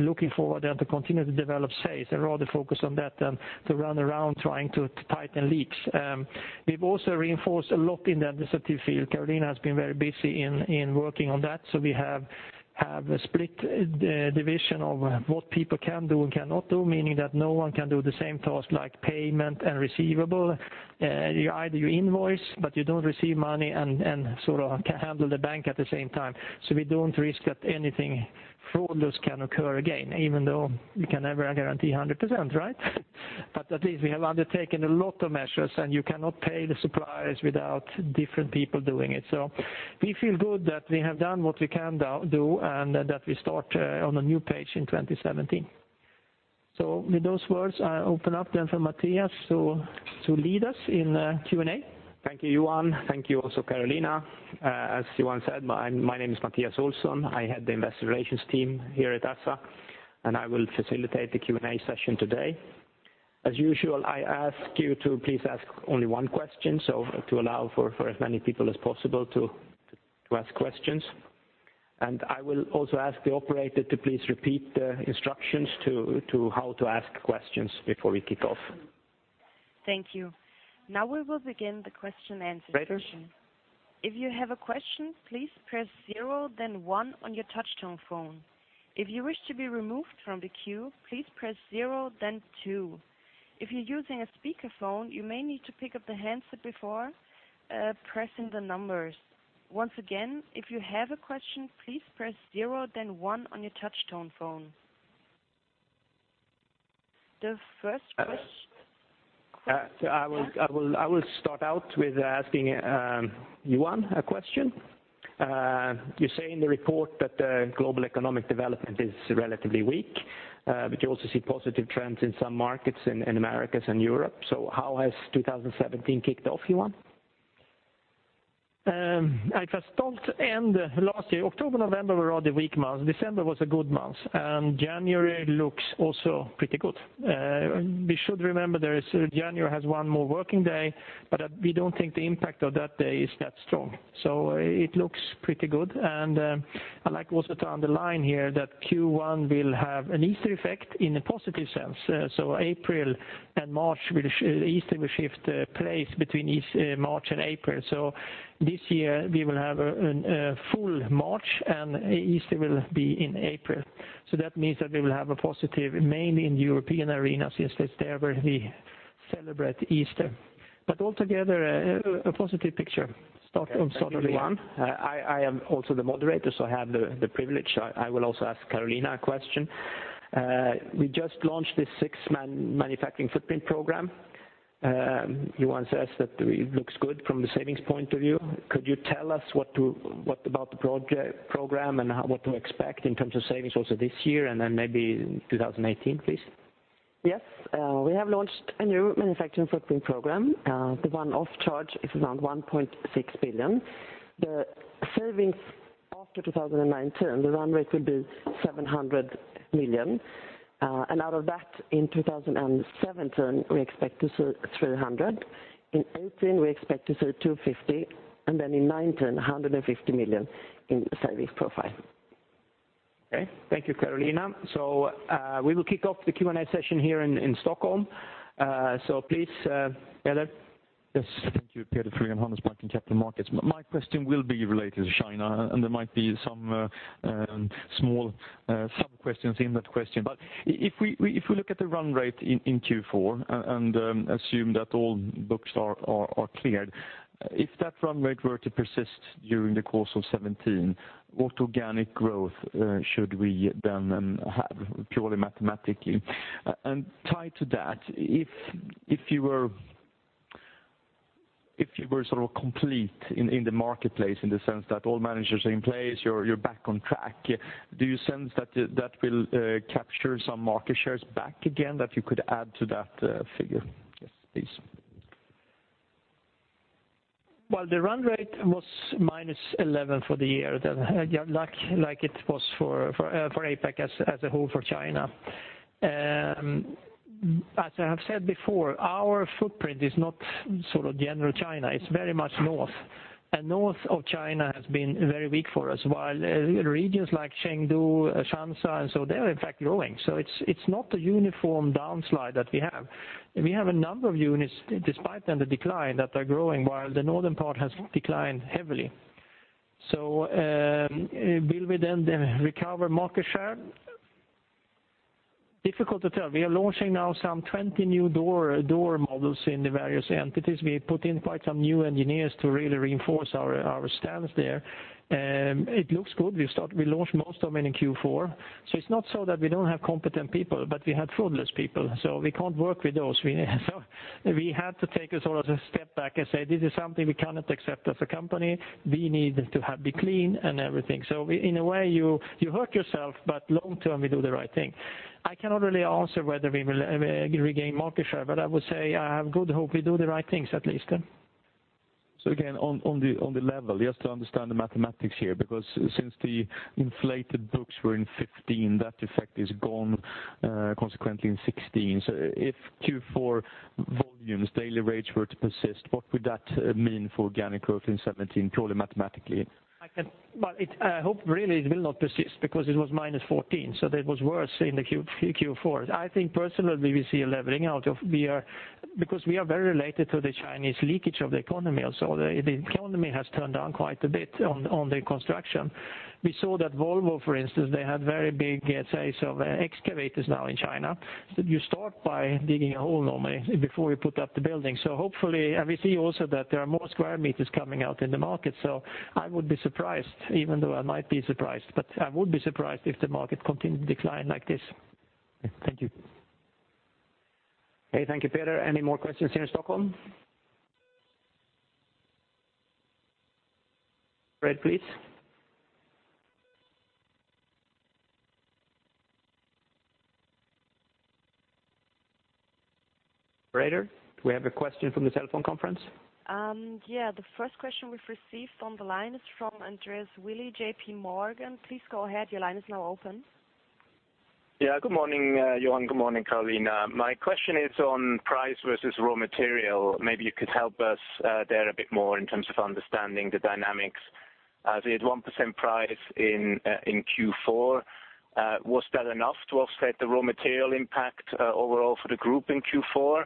looking forward then to continue to develop sales. I would rather focus on that than to run around trying to tighten leaks. We have also reinforced a lot in the administrative field. Carolina has been very busy in working on that. We have a split division of what people can do and cannot do, meaning that no one can do the same task like payment and receivable. Either you invoice, but you do not receive money and handle the bank at the same time. We do not risk that anything fraudulent can occur again, even though we can never guarantee 100%. At least we have undertaken a lot of measures, and you cannot pay the suppliers without different people doing it. We feel good that we have done what we can do and that we start on a new page in 2017. With those words, I open up then for Mattias to lead us in Q&A. Thank you, Johan. Thank you also, Carolina. As Johan said, my name is Mattias Olsson. I head the Investor Relations team here at ASSA, and I will facilitate the Q&A session today. As usual, I ask you to please ask only one question, so to allow for as many people as possible to ask questions. I will also ask the operator to please repeat the instructions to how to ask questions before we kick off. Thank you. Now we will begin the question and answer session. Operators. If you have a question, please press 0 then 1 on your touch tone phone. If you wish to be removed from the queue, please press 0 then 2. If you're using a speakerphone, you may need to pick up the handset before pressing the numbers. Once again, if you have a question, please press 0 then 1 on your touch tone phone. The first question. I will start out with asking Johan a question. You say in the report that the global economic development is relatively weak, but you also see positive trends in some markets in Americas and Europe. How has 2017 kicked off, Johan? As I told, end of last year, October, November were all the weak months. December was a good month, January looks also pretty good. We should remember January has one more working day, we don't think the impact of that day is that strong. It looks pretty good. I'd like also to underline here that Q1 will have an Easter effect in a positive sense. April and March, Easter will shift place between March and April. This year, we will have a full March, and Easter will be in April. That means that we will have a positive mainly in European arena since that's where we celebrate Easter. Altogether, a positive picture. Start of sort of the year. Okay. Thank you, Johan. I am also the moderator, so I have the privilege. I will also ask Carolina a question. We just launched the sixth manufacturing footprint program. Johan says that it looks good from the savings point of view. Could you tell us what about the program and what to expect in terms of savings also this year and then maybe in 2018, please? Yes. We have launched a new manufacturing footprint program. The one-off charge is around 1.6 billion. The savings after 2019, the run rate will be 700 million. In 2017, we expect to see 300. In 2018, we expect to see 250, in 2019, 150 million in savings profile. Okay. Thank you, Carolina. We will kick off the Q&A session here in Stockholm. Please, Peder. Yes. Thank you, Peder Frölén, Handelsbanken Capital Markets. My question will be related to China, and there might be some small sub-questions in that question. If we look at the run rate in Q4 and assume that all books are cleared, if that run rate were to persist during the course of 2017, what organic growth should we then have, purely mathematically? Tied to that, if you were sort of complete in the marketplace in the sense that all managers are in place, you are back on track, do you sense that will capture some market shares back again that you could add to that figure? Yes, please. The run rate was -11 for the year, like it was for APAC as a whole for China. As I have said before, our footprint is not general China, it's very much north. North of China has been very weak for us, while regions like Chengdu, Shaanxi and so they're in fact growing. It's not a uniform downslide that we have. We have a number of units, despite then the decline, that are growing while the northern part has declined heavily. Will we then recover market share? Difficult to tell. We are launching now some 20 new door models in the various entities. We put in quite some new engineers to really reinforce our stance there. It looks good. We launched most of them in Q4. It's not so that we don't have competent people, but we had fraudulent people, we can't work with those. We had to take a sort of a step back and say, "This is something we cannot accept as a company. We need to be clean and everything." In a way you hurt yourself, but long term, we do the right thing. I cannot really answer whether we will regain market share, but I would say I have good hope we do the right things at least. Again, on the level, just to understand the mathematics here, because since the inflated books were in 2015, that effect is gone, consequently in 2016. If Q4 volumes, daily rates were to persist, what would that mean for organic growth in 2017, purely mathematically? I hope really it will not persist because it was -14, that was worse in the Q4. I think personally, we see a leveling out because we are very related to the Chinese leakage of the economy also. The economy has turned down quite a bit on the construction. We saw that Volvo, for instance, they had very big sales of excavators now in China. You start by digging a hole normally before you put up the building. Hopefully, and we see also that there are more square meters coming out in the market, I would be surprised, even though I might be surprised, but I would be surprised if the market continued to decline like this. Thank you. Okay, thank you, Peder. Any more questions here in Stockholm? Fred, please. Operator, do we have a question from the telephone conference? The first question we've received on the line is from Andreas Willi, J.P. Morgan. Please go ahead. Your line is now open. Good morning, Johan. Good morning, Carolina. My question is on price versus raw material. Maybe you could help us there a bit more in terms of understanding the dynamics, as it is 1% price in Q4. Was that enough to offset the raw material impact overall for the group in Q4?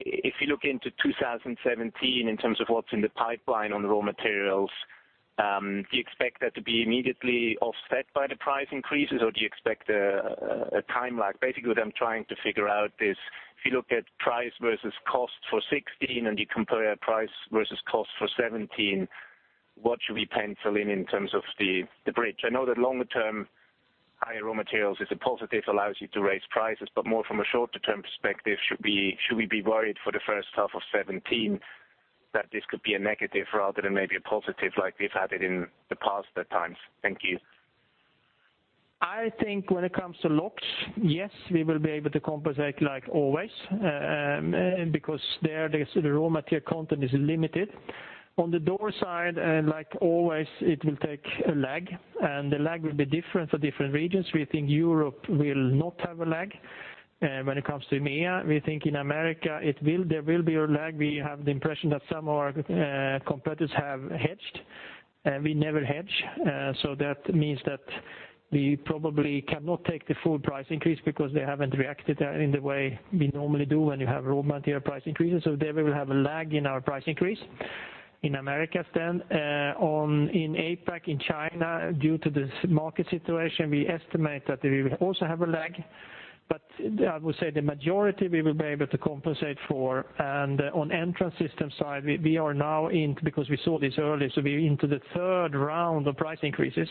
If you look into 2017 in terms of what's in the pipeline on raw materials, do you expect that to be immediately offset by the price increases or do you expect a time lag? Basically, what I'm trying to figure out is if you look at price versus cost for 2016 and you compare price versus cost for 2017, what should we pencil in in terms of the bridge? I know that longer term, high raw materials is a positive, allows you to raise prices, but more from a shorter term perspective should we be worried for the first half of 2017 that this could be a negative rather than maybe a positive like we've had it in the past at times? Thank you. I think when it comes to locks, yes, we will be able to compensate like always, because there, the raw material content is limited. On the door side, like always, it will take a lag, and the lag will be different for different regions. We think Europe will not have a lag. When it comes to EMEA, we think in America there will be a lag. We have the impression that some of our competitors have hedged. We never hedge, that means that we probably cannot take the full price increase because they haven't reacted in the way we normally do when you have raw material price increases. There we will have a lag in our price increase in America then. In APAC, in China, due to this market situation, we estimate that we will also have a lag, but I would say the majority we will be able to compensate for. On Entrance Systems side, because we saw this early, we're into the third round of price increases.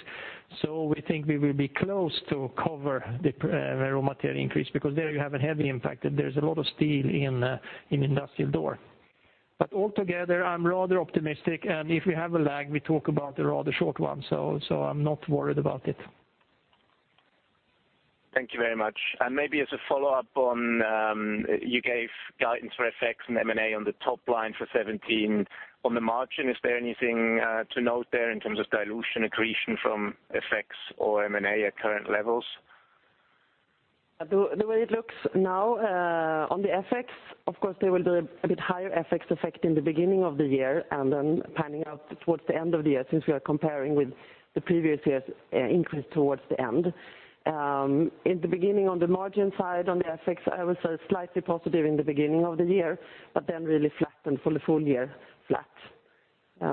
We think we will be close to cover the raw material increase because there you have a heavy impact, there's a lot of steel in industrial door. Altogether, I'm rather optimistic, and if we have a lag, we talk about a rather short one, so I'm not worried about it. Thank you very much. Maybe as a follow-up on, you gave guidance for FX and M&A on the top line for 2017. On the margin, is there anything to note there in terms of dilution accretion from FX or M&A at current levels? The way it looks now, on the FX, of course, there will be a bit higher FX effect in the beginning of the year and then panning out towards the end of the year since we are comparing with the previous year's increase towards the end. In the beginning on the margin side on the FX, I would say slightly positive in the beginning of the year, then really flat and for the full year flat.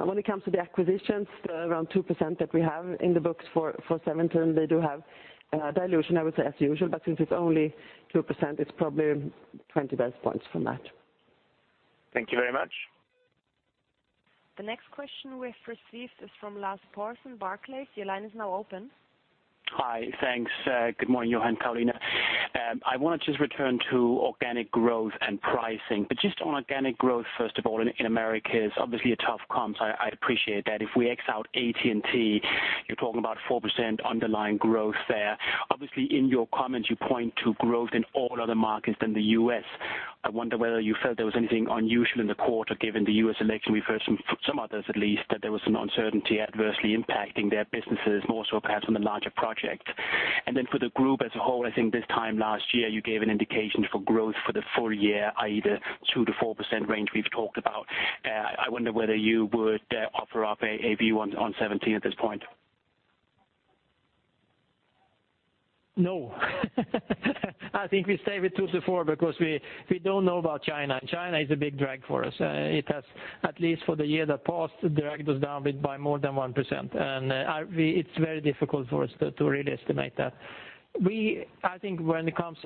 When it comes to the acquisitions, the around 2% that we have in the books for 2017, they do have dilution, I would say as usual, but since it is only 2%, it is probably 20 basis points from that. Thank you very much. The next question we have received is from Lars Thorsen, Barclays. Your line is now open. Hi. Thanks. Good morning, Johan, Carolina. I want to just return to organic growth and pricing. Just on organic growth, first of all, in Americas, obviously a tough comp, so I appreciate that. If we X out AT&T, you are talking about 4% underlying growth there. Obviously in your comments you point to growth in all other markets than the U.S. I wonder whether you felt there was anything unusual in the quarter given the U.S. election. We have heard some others at least that there was some uncertainty adversely impacting their businesses, more so perhaps on the larger project. Then for the group as a whole, I think this time last year you gave an indication for growth for the full year, i.e., the 2%-4% range we have talked about. I wonder whether you would offer up a view on 2017 at this point. No. I think we stay with 2%-4% because we don't know about China, and China is a big drag for us. It has, at least for the year that passed, dragged us down by more than 1%. It's very difficult for us to really estimate that.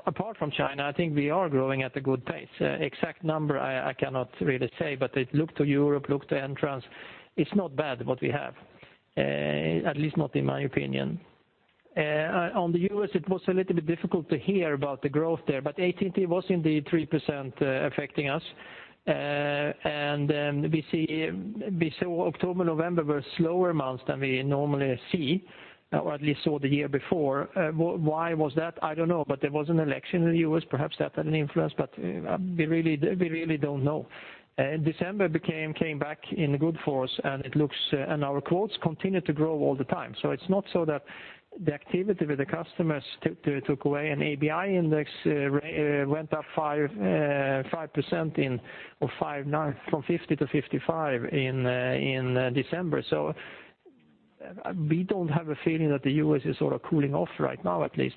Apart from China, I think we are growing at a good pace. Exact number I cannot really say, but look to Europe, look to entrance. It's not bad what we have, at least not in my opinion. On the U.S. it was a little bit difficult to hear about the growth there, but AT&T was indeed 3% affecting us. We saw October, November were slower months than we normally see, or at least saw the year before. Why was that? I don't know. There was an election in the U.S., perhaps that had an influence, but we really don't know. December came back in good for us, and our quotes continue to grow all the time. It's not so that the activity with the customers took away, and ABI index went up 5% from 50 to 55 in December. We don't have a feeling that the U.S. is cooling off right now at least.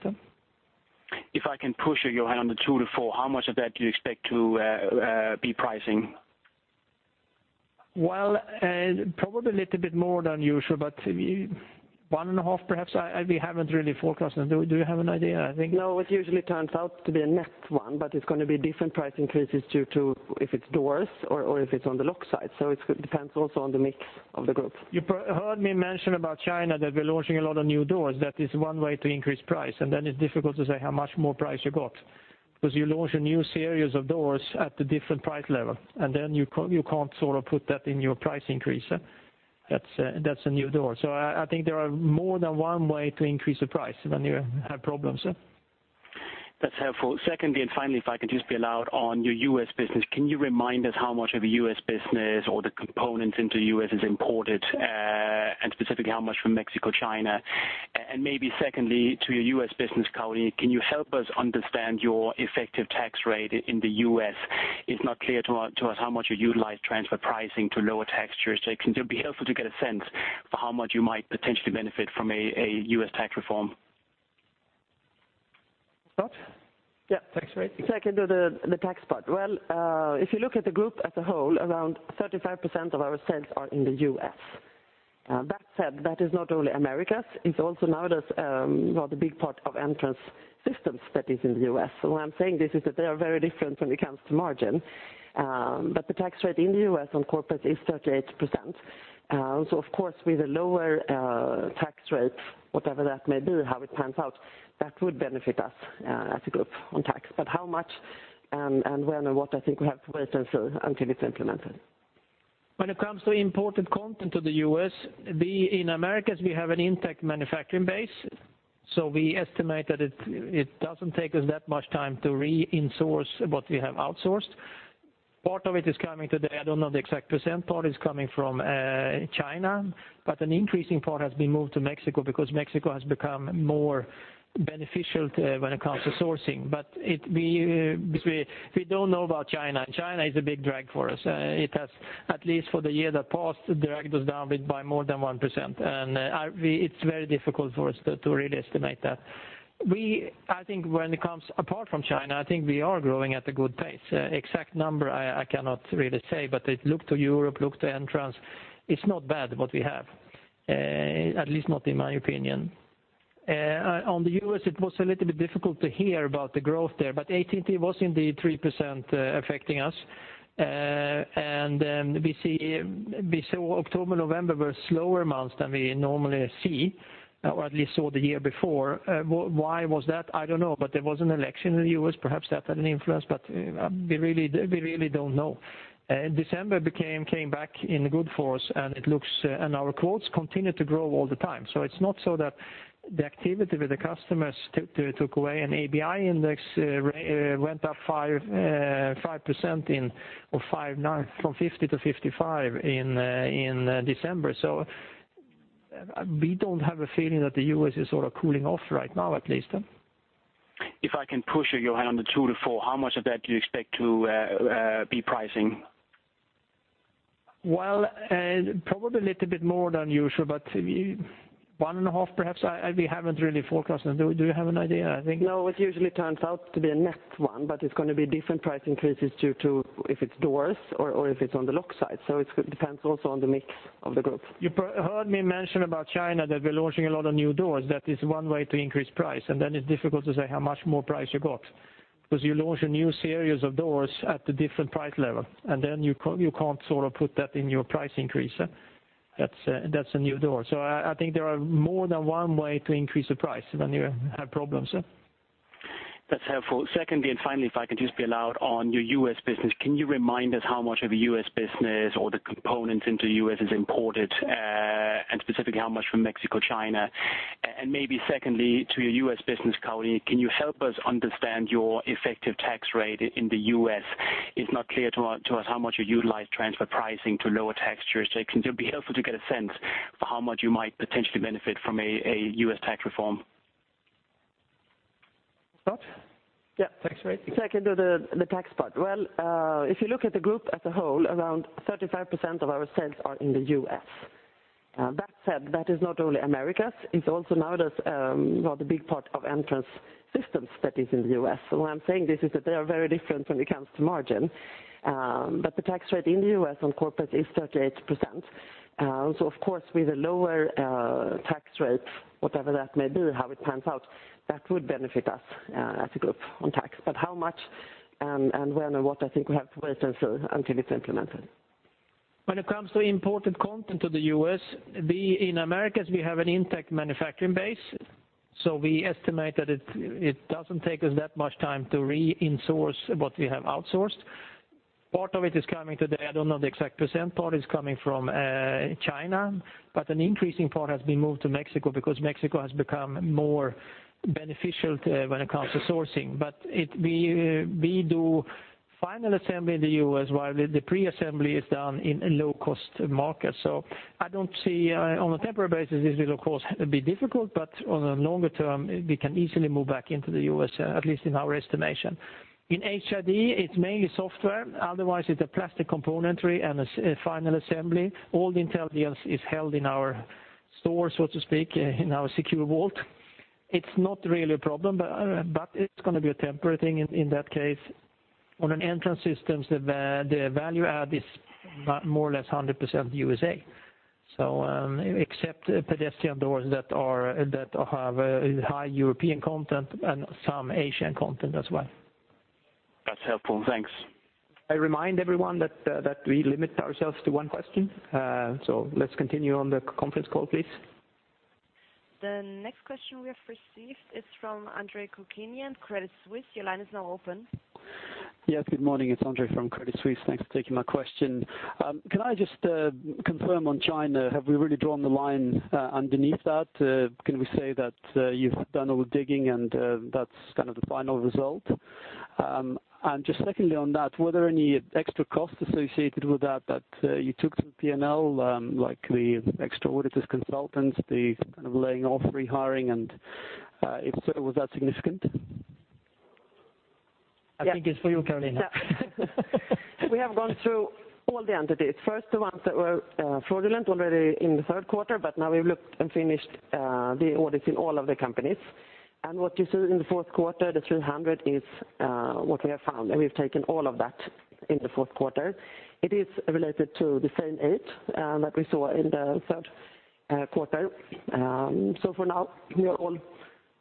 If I can push you, Johan, on the 2%-4%, how much of that do you expect to be pricing? Well, probably a little bit more than usual, but 1.5%, perhaps. We haven't really forecasted. Do you have an idea? No, it usually turns out to be a net 1%, but it's going to be different price increases due to if it's doors or if it's on the lock side. It depends also on the mix of the group. You heard me mention about China that we're launching a lot of new doors. That is one way to increase price, and then it's difficult to say how much more price you got because you launch a new series of doors at a different price level, and then you can't put that in your price increase. That's a new door. I think there are more than one way to increase the price when you have problems. That's helpful. Secondly, and finally, if I can just be allowed on your U.S. business, can you remind us how much of the U.S. business or the components into U.S. is imported, and specifically how much from Mexico, China? Maybe secondly, to your U.S. business, Carolina, can you help us understand your effective tax rate in the U.S.? It's not clear to us how much you utilize transfer pricing to lower tax jurisdiction. It'd be helpful to get a sense for how much you might potentially benefit from a U.S. tax reform. Scott? Yeah. Tax rate. I can do the tax part. If you look at the group as a whole, around 35% of our sales are in the U.S. That said, that is not only Americas, it's also nowadays, a big part of Entrance Systems that is in the U.S. Why I'm saying this is that they are very different when it comes to margin. The tax rate in the U.S. on corporate is 38%. Of course, with a lower tax rate, whatever that may be, how it pans out, that would benefit us as a group on tax. How much, and when and what, I think we have to wait and see until it's implemented. When it comes to imported content to the U.S., in Americas, we have an intact manufacturing base. We estimate that it doesn't take us that much time to re-in-source what we have outsourced. Part of it is coming today, I don't know the exact percent part, is coming from China, but an increasing part has been moved to Mexico because Mexico has become more beneficial when it comes to sourcing. We don't know about China, and China is a big drag for us. It has, at least for the year that passed, dragged us down by more than 1%. It's very difficult for us to really estimate that. I think when it comes apart from China, we are growing at a good pace. Exact number, I cannot really say, but look to Europe, look to Entrance Systems. It's not bad what we have, at least not in my opinion. On the U.S., it was a little bit difficult to hear about the growth there. AT&T was indeed 3% affecting us. We see October, November were slower months than we normally see, or at least saw the year before. Why was that? I don't know. There was an election in the U.S., perhaps that had an influence, but we really don't know. December came back in good force, and our quotes continue to grow all the time. It's not so that the activity with the customers took away, and ABI index went up 5% in or from 50 to 55 in December. We don't have a feeling that the U.S. is sort of cooling off right now, at least. If I can push you, Johan, on the 2%-4%, how much of that do you expect to be pricing? Well, probably a little bit more than usual, one and a half perhaps. We haven't really forecasted. Do you have an idea? No, it usually turns out to be a net one, it's going to be different price increases due to if it's doors or if it's on the lock side. It depends also on the mix of the group. You heard me mention about China, that we're launching a lot of new doors. That is one way to increase price, it's difficult to say how much more price you got, because you launch a new series of doors at a different price level, you can't sort of put that in your price increase. That's a new door. I think there are more than one way to increase the price when you have problems. That's helpful. Secondly, and finally, if I can just be allowed on your U.S. business, can you remind us how much of the U.S. business or the components into U.S. is imported, and specifically how much from Mexico, China? Maybe secondly, to your U.S. business, Carolina, can you help us understand your effective tax rate in the U.S.? It's not clear to us how much you utilize transfer pricing to lower tax jurisdiction. It'd be helpful to get a sense for how much you might potentially benefit from a U.S. tax reform. Scott? Yeah. Tax rate. I can do the tax part. Well, if you look at the group as a whole, around 35% of our sales are in the U.S. That said, that is not only Americas, it's also nowadays, a big part of Entrance Systems that is in the U.S. Why I'm saying this is that they are very different when it comes to margin. The tax rate in the U.S. on corporate is 38%. Of course, with a lower tax rate, whatever that may be, how it pans out, that would benefit us as a group on tax. How much, and when and what, I think we have to wait and see until it's implemented. When it comes to imported content to the U.S., in Americas, we have an intact manufacturing base. We estimate that it doesn't take us that much time to re-in-source what we have outsourced. Part of it is coming today, I don't know the exact % part, is coming from China, but an increasing part has been moved to Mexico because Mexico has become more beneficial when it comes to sourcing. We do final assembly in the U.S., while the pre-assembly is done in low-cost markets. I don't see on a temporary basis, this will of course be difficult, but on a longer term, we can easily move back into the U.S., at least in our estimation. In HID, it's mainly software. Otherwise, it's a plastic componentry and a final assembly. All the intelligence is held in our store, so to speak, in our secure vault. It's not really a problem, it's going to be a temporary thing in that case. On an Entrance Systems, the value add is more or less 100% U.S. except pedestrian doors that have a high European content and some Asian content as well. That's helpful. Thanks. I remind everyone that we limit ourselves to one question. Let's continue on the conference call, please. The next question we have received is from Andre Kukhnin, Credit Suisse. Your line is now open. Yes. Good morning. It's Andre from Credit Suisse. Thanks for taking my question. Can I just confirm on China, have we really drawn the line underneath that? Can we say that you've done all the digging and that's the final result? Just secondly on that, were there any extra costs associated with that you took to the P&L, like the extra auditors, consultants, the laying off, rehiring, and if so, was that significant? I think it's for you, Carolina. Yeah. We have gone through all the entities. First, the ones that were fraudulent already in the third quarter. Now we've looked and finished the audits in all of the companies. What you see in the fourth quarter, the 300, is what we have found, and we've taken all of that in the fourth quarter. It is related to the same eight that we saw in the third quarter. For now, we are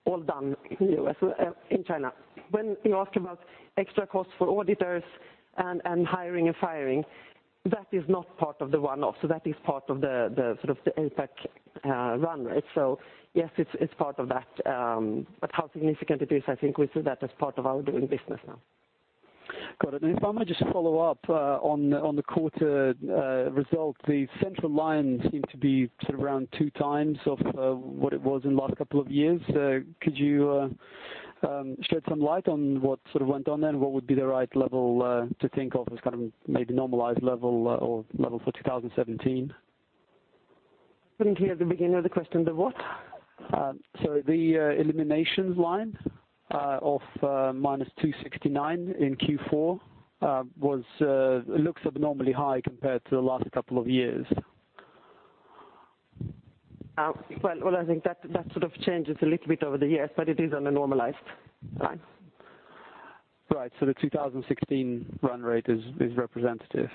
all done in China. When you ask about extra costs for auditors and hiring and firing, that is not part of the one-off. That is part of the APAC run rate. Yes, it's part of that, but how significant it is, I think we see that as part of our doing business now. Got it. If I may just follow up on the quarter results, the central line seemed to be around two times of what it was in the last couple of years. Could you shed some light on what went on there? What would be the right level to think of as maybe normalized level or level for 2017? Couldn't hear at the beginning of the question, the what? Sorry. The eliminations line of minus 269 in Q4 looks abnormally high compared to the last couple of years. Well, I think that sort of changes a little bit over the years, but it is on a normalized line. Right. The 2016 run rate is representative.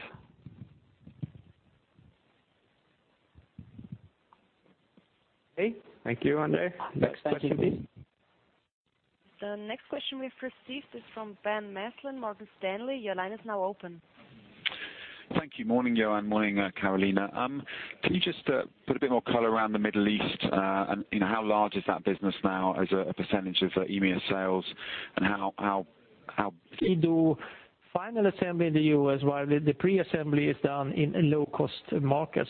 Okay. Thank you, Andre. Next question, please. The next question we've received is from Ben Maslen, Morgan Stanley. Your line is now open. Thank you. Morning, Johan. Morning, Carolina. Can you just put a bit more color around the Middle East? How large is that business now as a percentage of EMEA sales? We do final assembly in the U.S., while the pre-assembly is done in a low-cost market.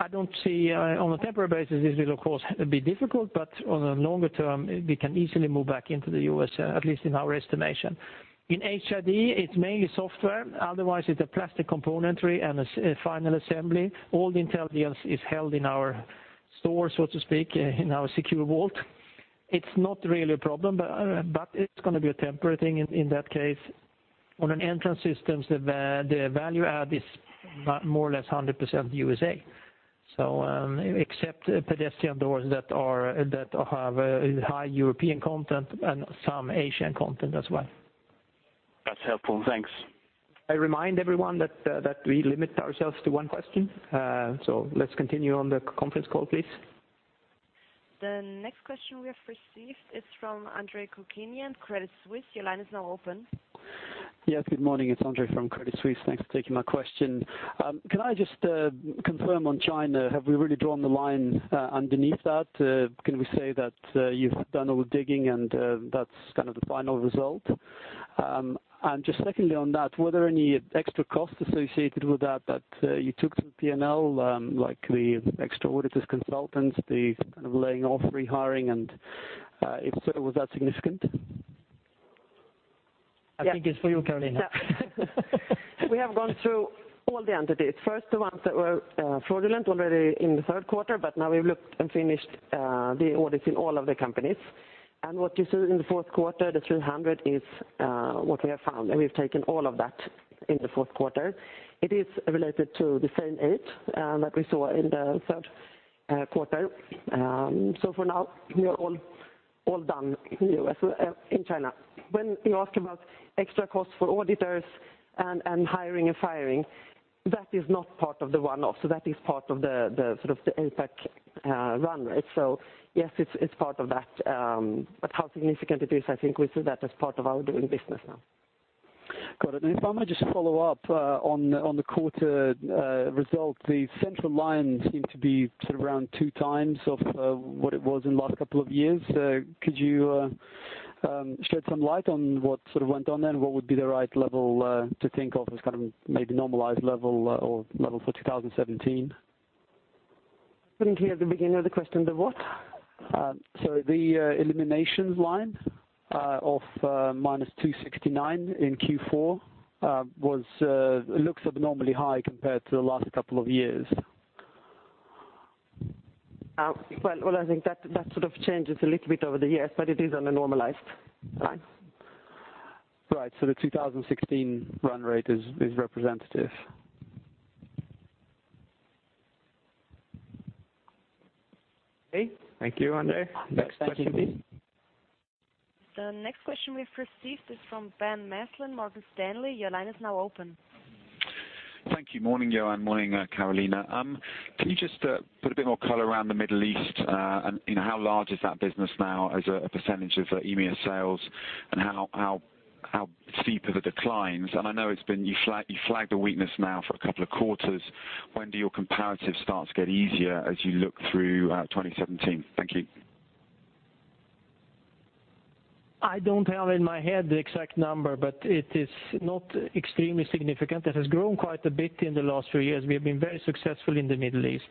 I don't see on a temporary basis, this will of course be difficult, but on a longer term, we can easily move back into the U.S., at least in our estimation. In HID, it's mainly software, otherwise it's a plastic componentry and a final assembly. All the intelligence is held in our store, so to speak, in our secure vault. It's not really a problem, but it's going to be a temporary thing in that case. On an Entrance Systems, the value add is more or less 100% USA. Except pedestrian doors that have a high European content and some Asian content as well. That's helpful. Thanks. I remind everyone that we limit ourselves to one question. Let's continue on the conference call, please. The next question we have received is from Andre Kukhnin, Credit Suisse. Your line is now open. Yes, good morning. It's Andre from Credit Suisse. Thanks for taking my question. Can I just confirm on China, have we really drawn the line underneath that? Just secondly on that, were there any extra costs associated with that you took to the P&L, like the extra auditors, consultants, the laying off, rehiring, and if so, was that significant? I think it's for you, Carolina. Yeah. We have gone through all the entities. First, the ones that were fraudulent already in the third quarter. Now we've looked and finished the audits in all of the companies. What you see in the fourth quarter, the 300, is what we have found, and we've taken all of that in the fourth quarter. It is related to the same eight that we saw in the third quarter. For now, we are all done in China. When you ask about extra costs for auditors and hiring and firing, that is not part of the one-off. That is part of the APAC run rate. Yes, it's part of that, but how significant it is, I think we see that as part of our doing business now. Got it. If I may just follow up on the quarter result, the central line seemed to be around two times of what it was in the last couple of years. Could you shed some light on what went on there? What would be the right level to think of as maybe normalized level or level for 2017? Couldn't hear at the beginning of the question, the what? Sorry. The eliminations line of minus 269 in Q4 looks abnormally high compared to the last couple of years. Well, I think that sort of changes a little bit over the years, but it is on a normalized line. Right. The 2016 run rate is representative. Okay. Thank you, Andre. Next question, please. The next question we've received is from Ben Maslen, Morgan Stanley. Your line is now open. Thank you. Morning, Johan. Morning, Carolina. Can you just put a bit more color around the Middle East? How large is that business now as a percentage of EMEA sales? How deep are the declines? I know you flagged the weakness now for a couple of quarters. When do your comparatives start to get easier as you look through 2017? Thank you. I don't have in my head the exact number, it is not extremely significant. It has grown quite a bit in the last few years. We have been very successful in the Middle East.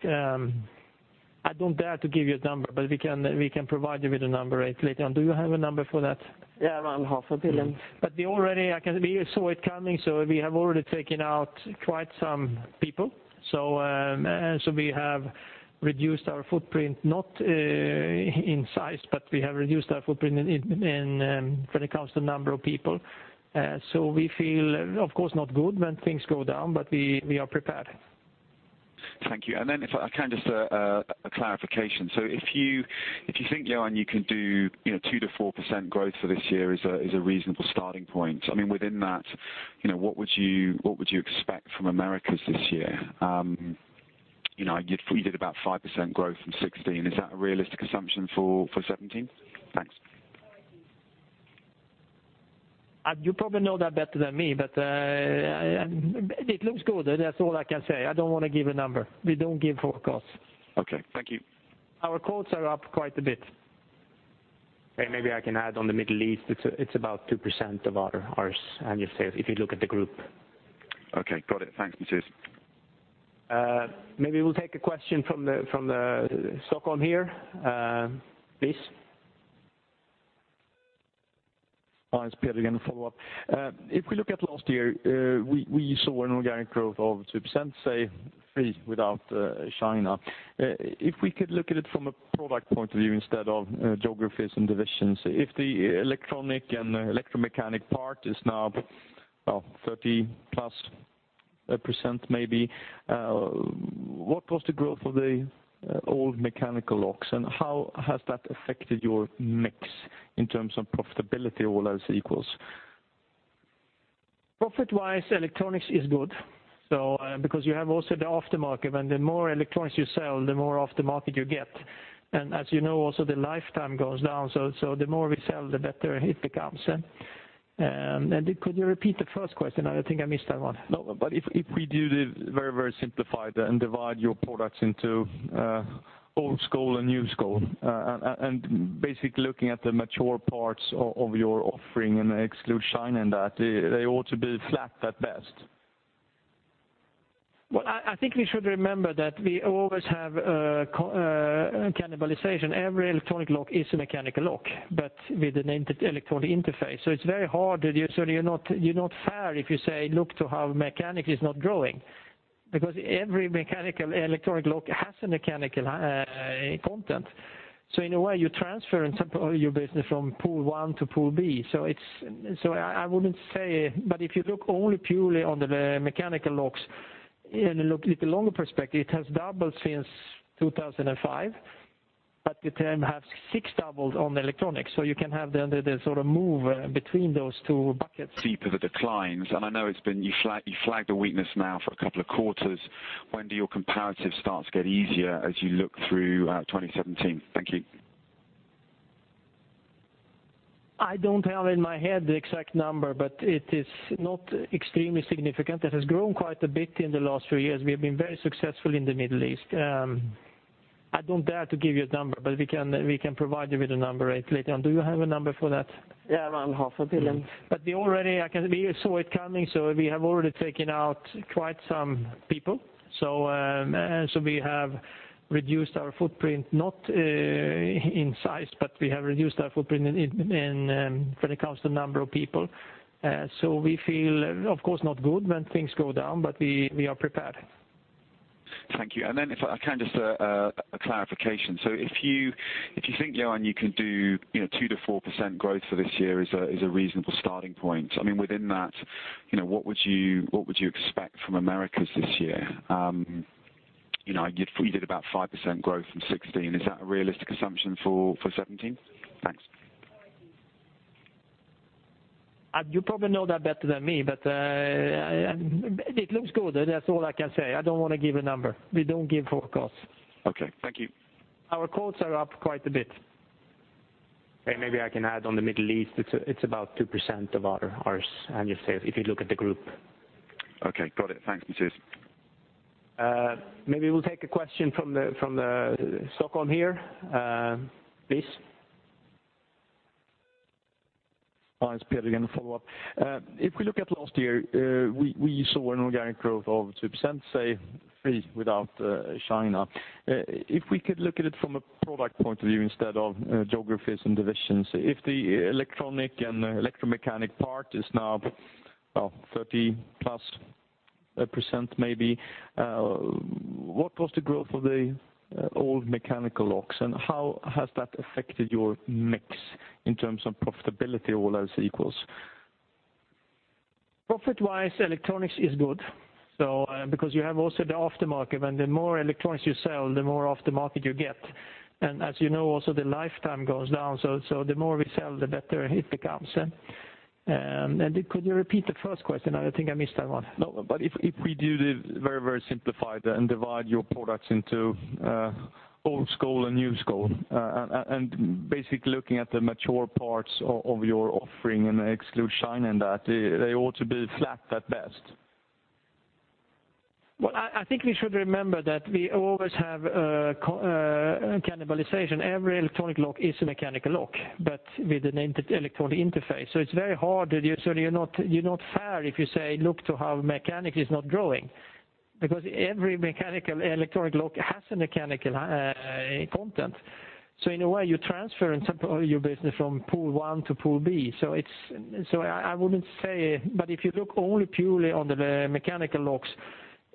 I don't dare to give you a number, we can provide you with a number later on. Do you have a number for that? Yeah, around half a billion. We saw it coming, we have already taken out quite some people. We have reduced our footprint, not in size, but we have reduced our footprint when it comes to number of people. We feel, of course, not good when things go down, but we are prepared. Thank you, if I can, just a clarification. If you think, Johan, you can do 2%-4% growth for this year is a reasonable starting point. Within that, what would you expect from Americas this year? You did about 5% growth from 2016. Is that a realistic assumption for 2017? Thanks. Hi, it's Peter again to follow up. If we look at last year, we saw an organic growth of 2%, say three without China. If we could look at it from a product point of view instead of geographies and divisions, if the electronic and electromechanic part is now, 30-plus %, maybe, what was the growth of the old mechanical locks, and how has that affected your mix in terms of profitability, all else equals? Profit-wise, electronics is good. You have also the aftermarket, when the more electronics you sell, the more aftermarket you get. As you know, also the lifetime goes down. The more we sell, the better it becomes. Could you repeat the first question? I think I missed that one. If we do the very simplified and divide your products into old school and new school, basically looking at the mature parts of your offering and exclude China and that, they ought to be flat at best. I think we should remember that we always have cannibalization. Every electronic lock is a mechanical lock, but with an electronic interface. It's very hard, you're not fair if you say, look to how mechanical is not growing, because every electronic lock has a mechanical content. In a way, you transfer your business from pool one to pool B. I wouldn't say, if you look only purely on the mechanical locks in the longer perspective, it has doubled since 2005, but at the time had six doubled on the electronics. You can have the sort of move between those two buckets. Of course,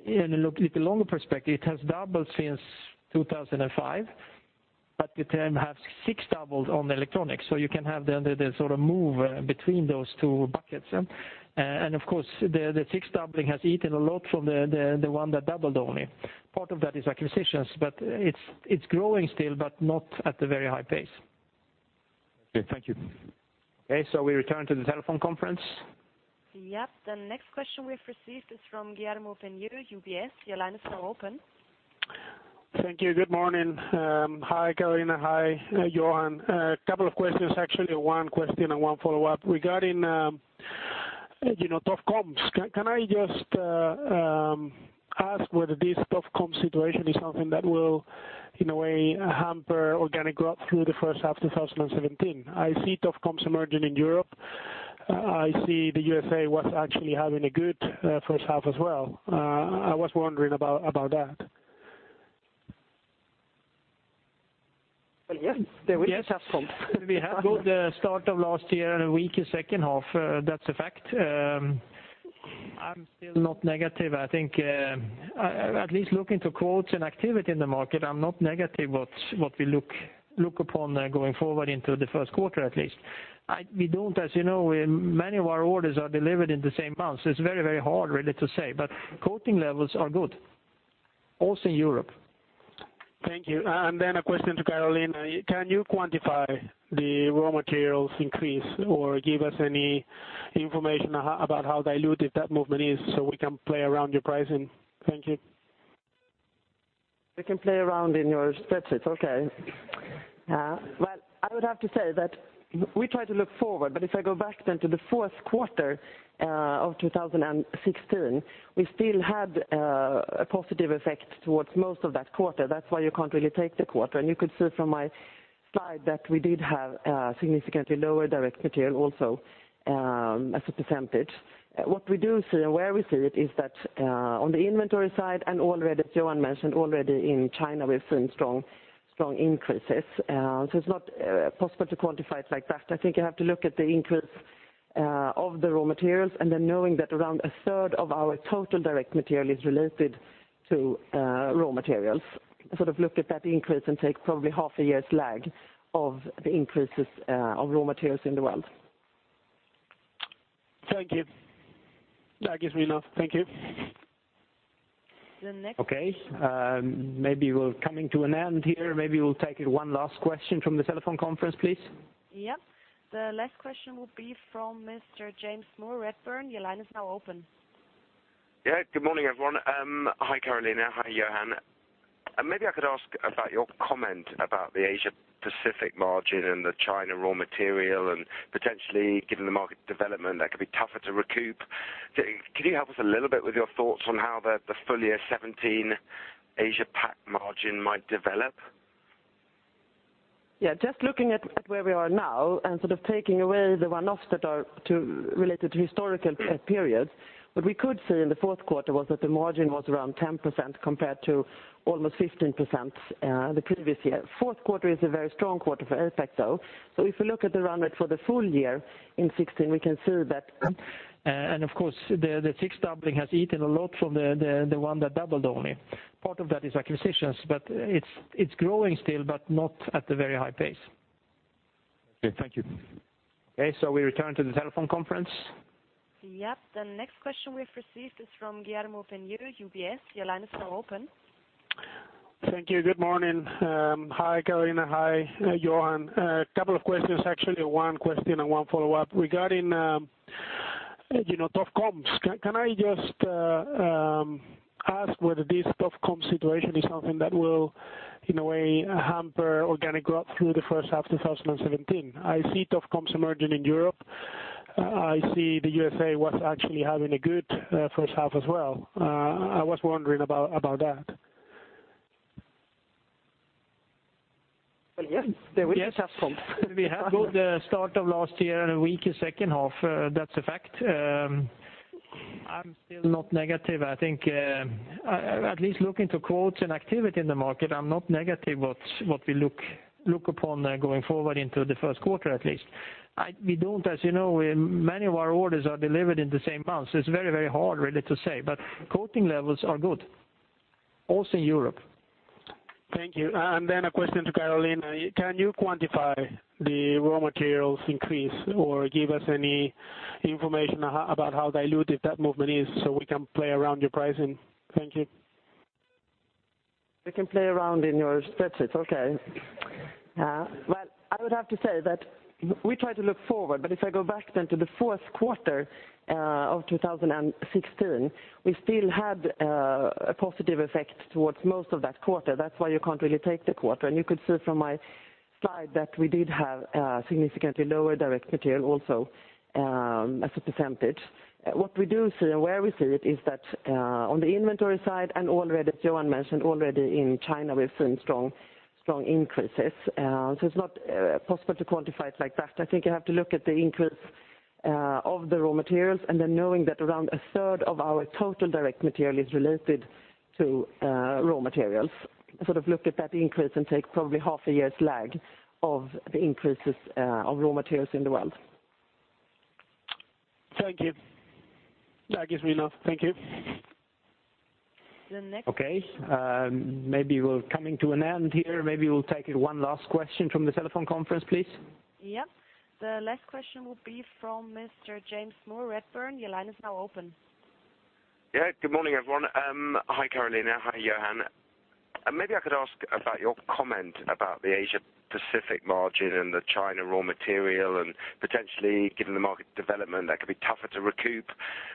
the six doubling has eaten a lot from the one that doubled only. Part of that is acquisitions, but it's growing still, but not at the very high pace. Okay, thank you. Okay, we return to the telephone conference. Yep. The next question we've received is from Guillermo Fenu, UBS. Your line is now open. Thank you. Good morning. Hi, Carolina. Hi, Johan. A couple of questions, actually, one question and one follow-up regarding tough comps. Can I just ask whether this tough comps situation is something that will, in a way, hamper organic growth through the first half of 2017? I see tough comps emerging in Europe. I see the U.S.A. was actually having a good first half as well. I was wondering about that. Well, yes. There is a tough comp. Yes. We had good start of last year and a weaker second half, that's a fact. I'm still not negative, I think, at least looking to quotes and activity in the market, I'm not negative what we look upon going forward into the first quarter, at least. As you know, many of our orders are delivered in the same month, it's very hard really to say. Quoting levels are good, also in Europe. Thank you. A question to Carolina. Can you quantify the raw materials increase or give us any information about how diluted that movement is so we can play around your pricing? Thank you. We can play around in your spreadsheets, okay. Well, I would have to say that we try to look forward, if I go back then to the fourth quarter of 2016, we still had a positive effect towards most of that quarter. That's why you can't really take the quarter. You could see from my slide that we did have significantly lower direct material also, as a percentage. What we do see and where we see it is that on the inventory side and as Johan mentioned, already in China, we've seen strong increases. It's not possible to quantify it like that. I think you have to look at the increase of the raw materials, knowing that around a third of our total direct material is related to raw materials, sort of look at that increase and take probably half a year's lag of the increases of raw materials in the world. Thank you. That gives me enough. Thank you. The next- Okay, maybe we're coming to an end here. Maybe we'll take one last question from the telephone conference, please. Yep. The last question will be from Mr. James Moore, Redburn. Your line is now open. Yeah. Good morning, everyone. Hi, Carolina. Hi, Johan. Maybe I could ask about your comment about the Asia Pacific margin and the China raw material, and potentially given the market development, that could be tougher to recoup. Could you help us a little bit with your thoughts on how the full year 2017 Asia Pac margin might develop? Yeah, just looking at where we are now and sort of taking away the one-offs that are related to historical periods, what we could see in the fourth quarter was that the margin was around 10% compared to almost 15% the previous year. Fourth quarter is a very strong quarter for effeff though. If you look at the run rate for the full year in 2016, we can see that. Of course, the six doubling has eaten a lot from the one that doubled only. Part of that is acquisitions, but it's growing still, but not at the very high pace. Okay. Thank you. Okay, we return to the telephone conference. Yep. The next question we've received is from Guillermo Fenu, UBS. Your line is now open. Thank you. Good morning. Hi, Carolina. Hi, Johan. A couple of questions, actually, one question and one follow-up regarding tough comps. Can I just ask whether this tough comps situation is something that will, in a way, hamper organic growth through the first half of 2017? I see tough comps emerging in Europe. I see the U.S. was actually having a good first half as well. I was wondering about that. Well, yes. There is a tough comp. Yes. We had good start of last year and a weaker second half, that's a fact. I'm still not negative, I think, at least looking to quotes and activity in the market, I'm not negative what we look upon going forward into the first quarter, at least. As you know, many of our orders are delivered in the same month, so it's very hard really to say. Quoting levels are good, also in Europe. Thank you. Then a question to Carolina. Can you quantify the raw materials increase or give us any information about how diluted that movement is so we can play around your pricing? Thank you. We can play around in your spreadsheets. Okay. Well, I would have to say that we try to look forward. If I go back to the fourth quarter of 2016, we still had a positive effect towards most of that quarter. That's why you can't really take the quarter. You could see from my slide that we did have significantly lower direct material also as a percentage. What we do see and where we see it is that on the inventory side, and as Johan mentioned, already in China, we're seeing strong increases. It's not possible to quantify it like that. I think you have to look at the increase of the raw materials, knowing that around a third of our total direct material is related to raw materials, look at that increase and take probably half a year's lag of the increases of raw materials in the world. Thank you. That gives me enough. Thank you. The next- Okay. Maybe we are coming to an end here. Maybe we will take one last question from the telephone conference, please. Yeah. The last question will be from Mr. James Moore, Redburn, your line is now open. Yeah. Good morning, everyone. Hi, Carolina. Hi, Johan. Maybe I could ask about your comment about the Asia Pacific margin and the China raw material, and potentially given the market development that could be tougher to recoup.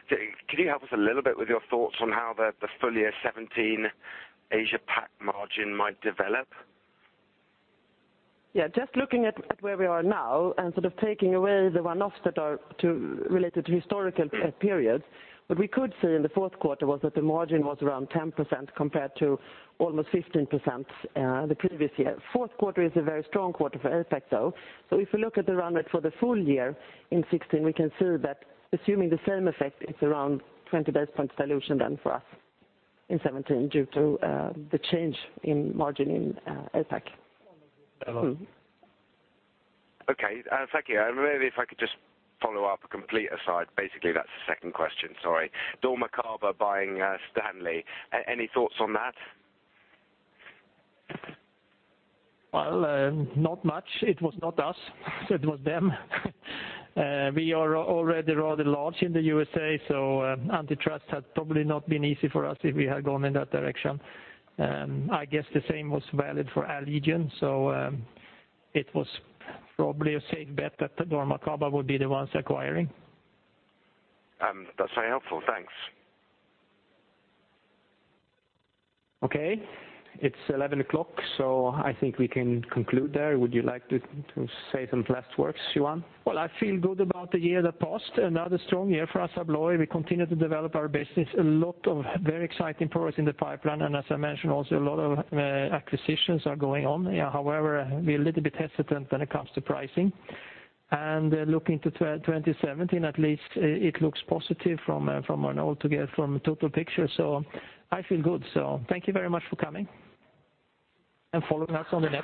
Can you help us a little bit with your thoughts on how the full year 2017 Asia Pac margin might develop? Yeah, just looking at where we are now and taking away the one-offs that are related to historical periods, what we could see in the fourth quarter was that the margin was around 10% compared to almost 15% the previous year. Fourth quarter is a very strong quarter for APAC though. If you look at the run rate for the full year in 2016, we can see that assuming the same effect, it is around 20 basis point dilution then for us in 2017 due to the change in margin in APAC. Okay. Thank you. Maybe if I could just follow up a complete aside, basically that's the second question, sorry. dormakaba buying Stanley. Any thoughts on that? Well, not much. It was not us. It was them. We are already rather large in the U.S.A., antitrust had probably not been easy for us if we had gone in that direction. I guess the same was valid for Allegion, it was probably a safe bet that dormakaba would be the ones acquiring. That's very helpful. Thanks. Okay. It's 11 o'clock, I think we can conclude there. Would you like to say some last words, Johan? Well, I feel good about the year that passed, another strong year for Assa Abloy. We continue to develop our business. A lot of very exciting products in the pipeline, and as I mentioned also, a lot of acquisitions are going on. However, we are a little bit hesitant when it comes to pricing. Looking to 2017 at least, it looks positive from an altogether, from a total picture. I feel good. Thank you very much for coming and following us on the net.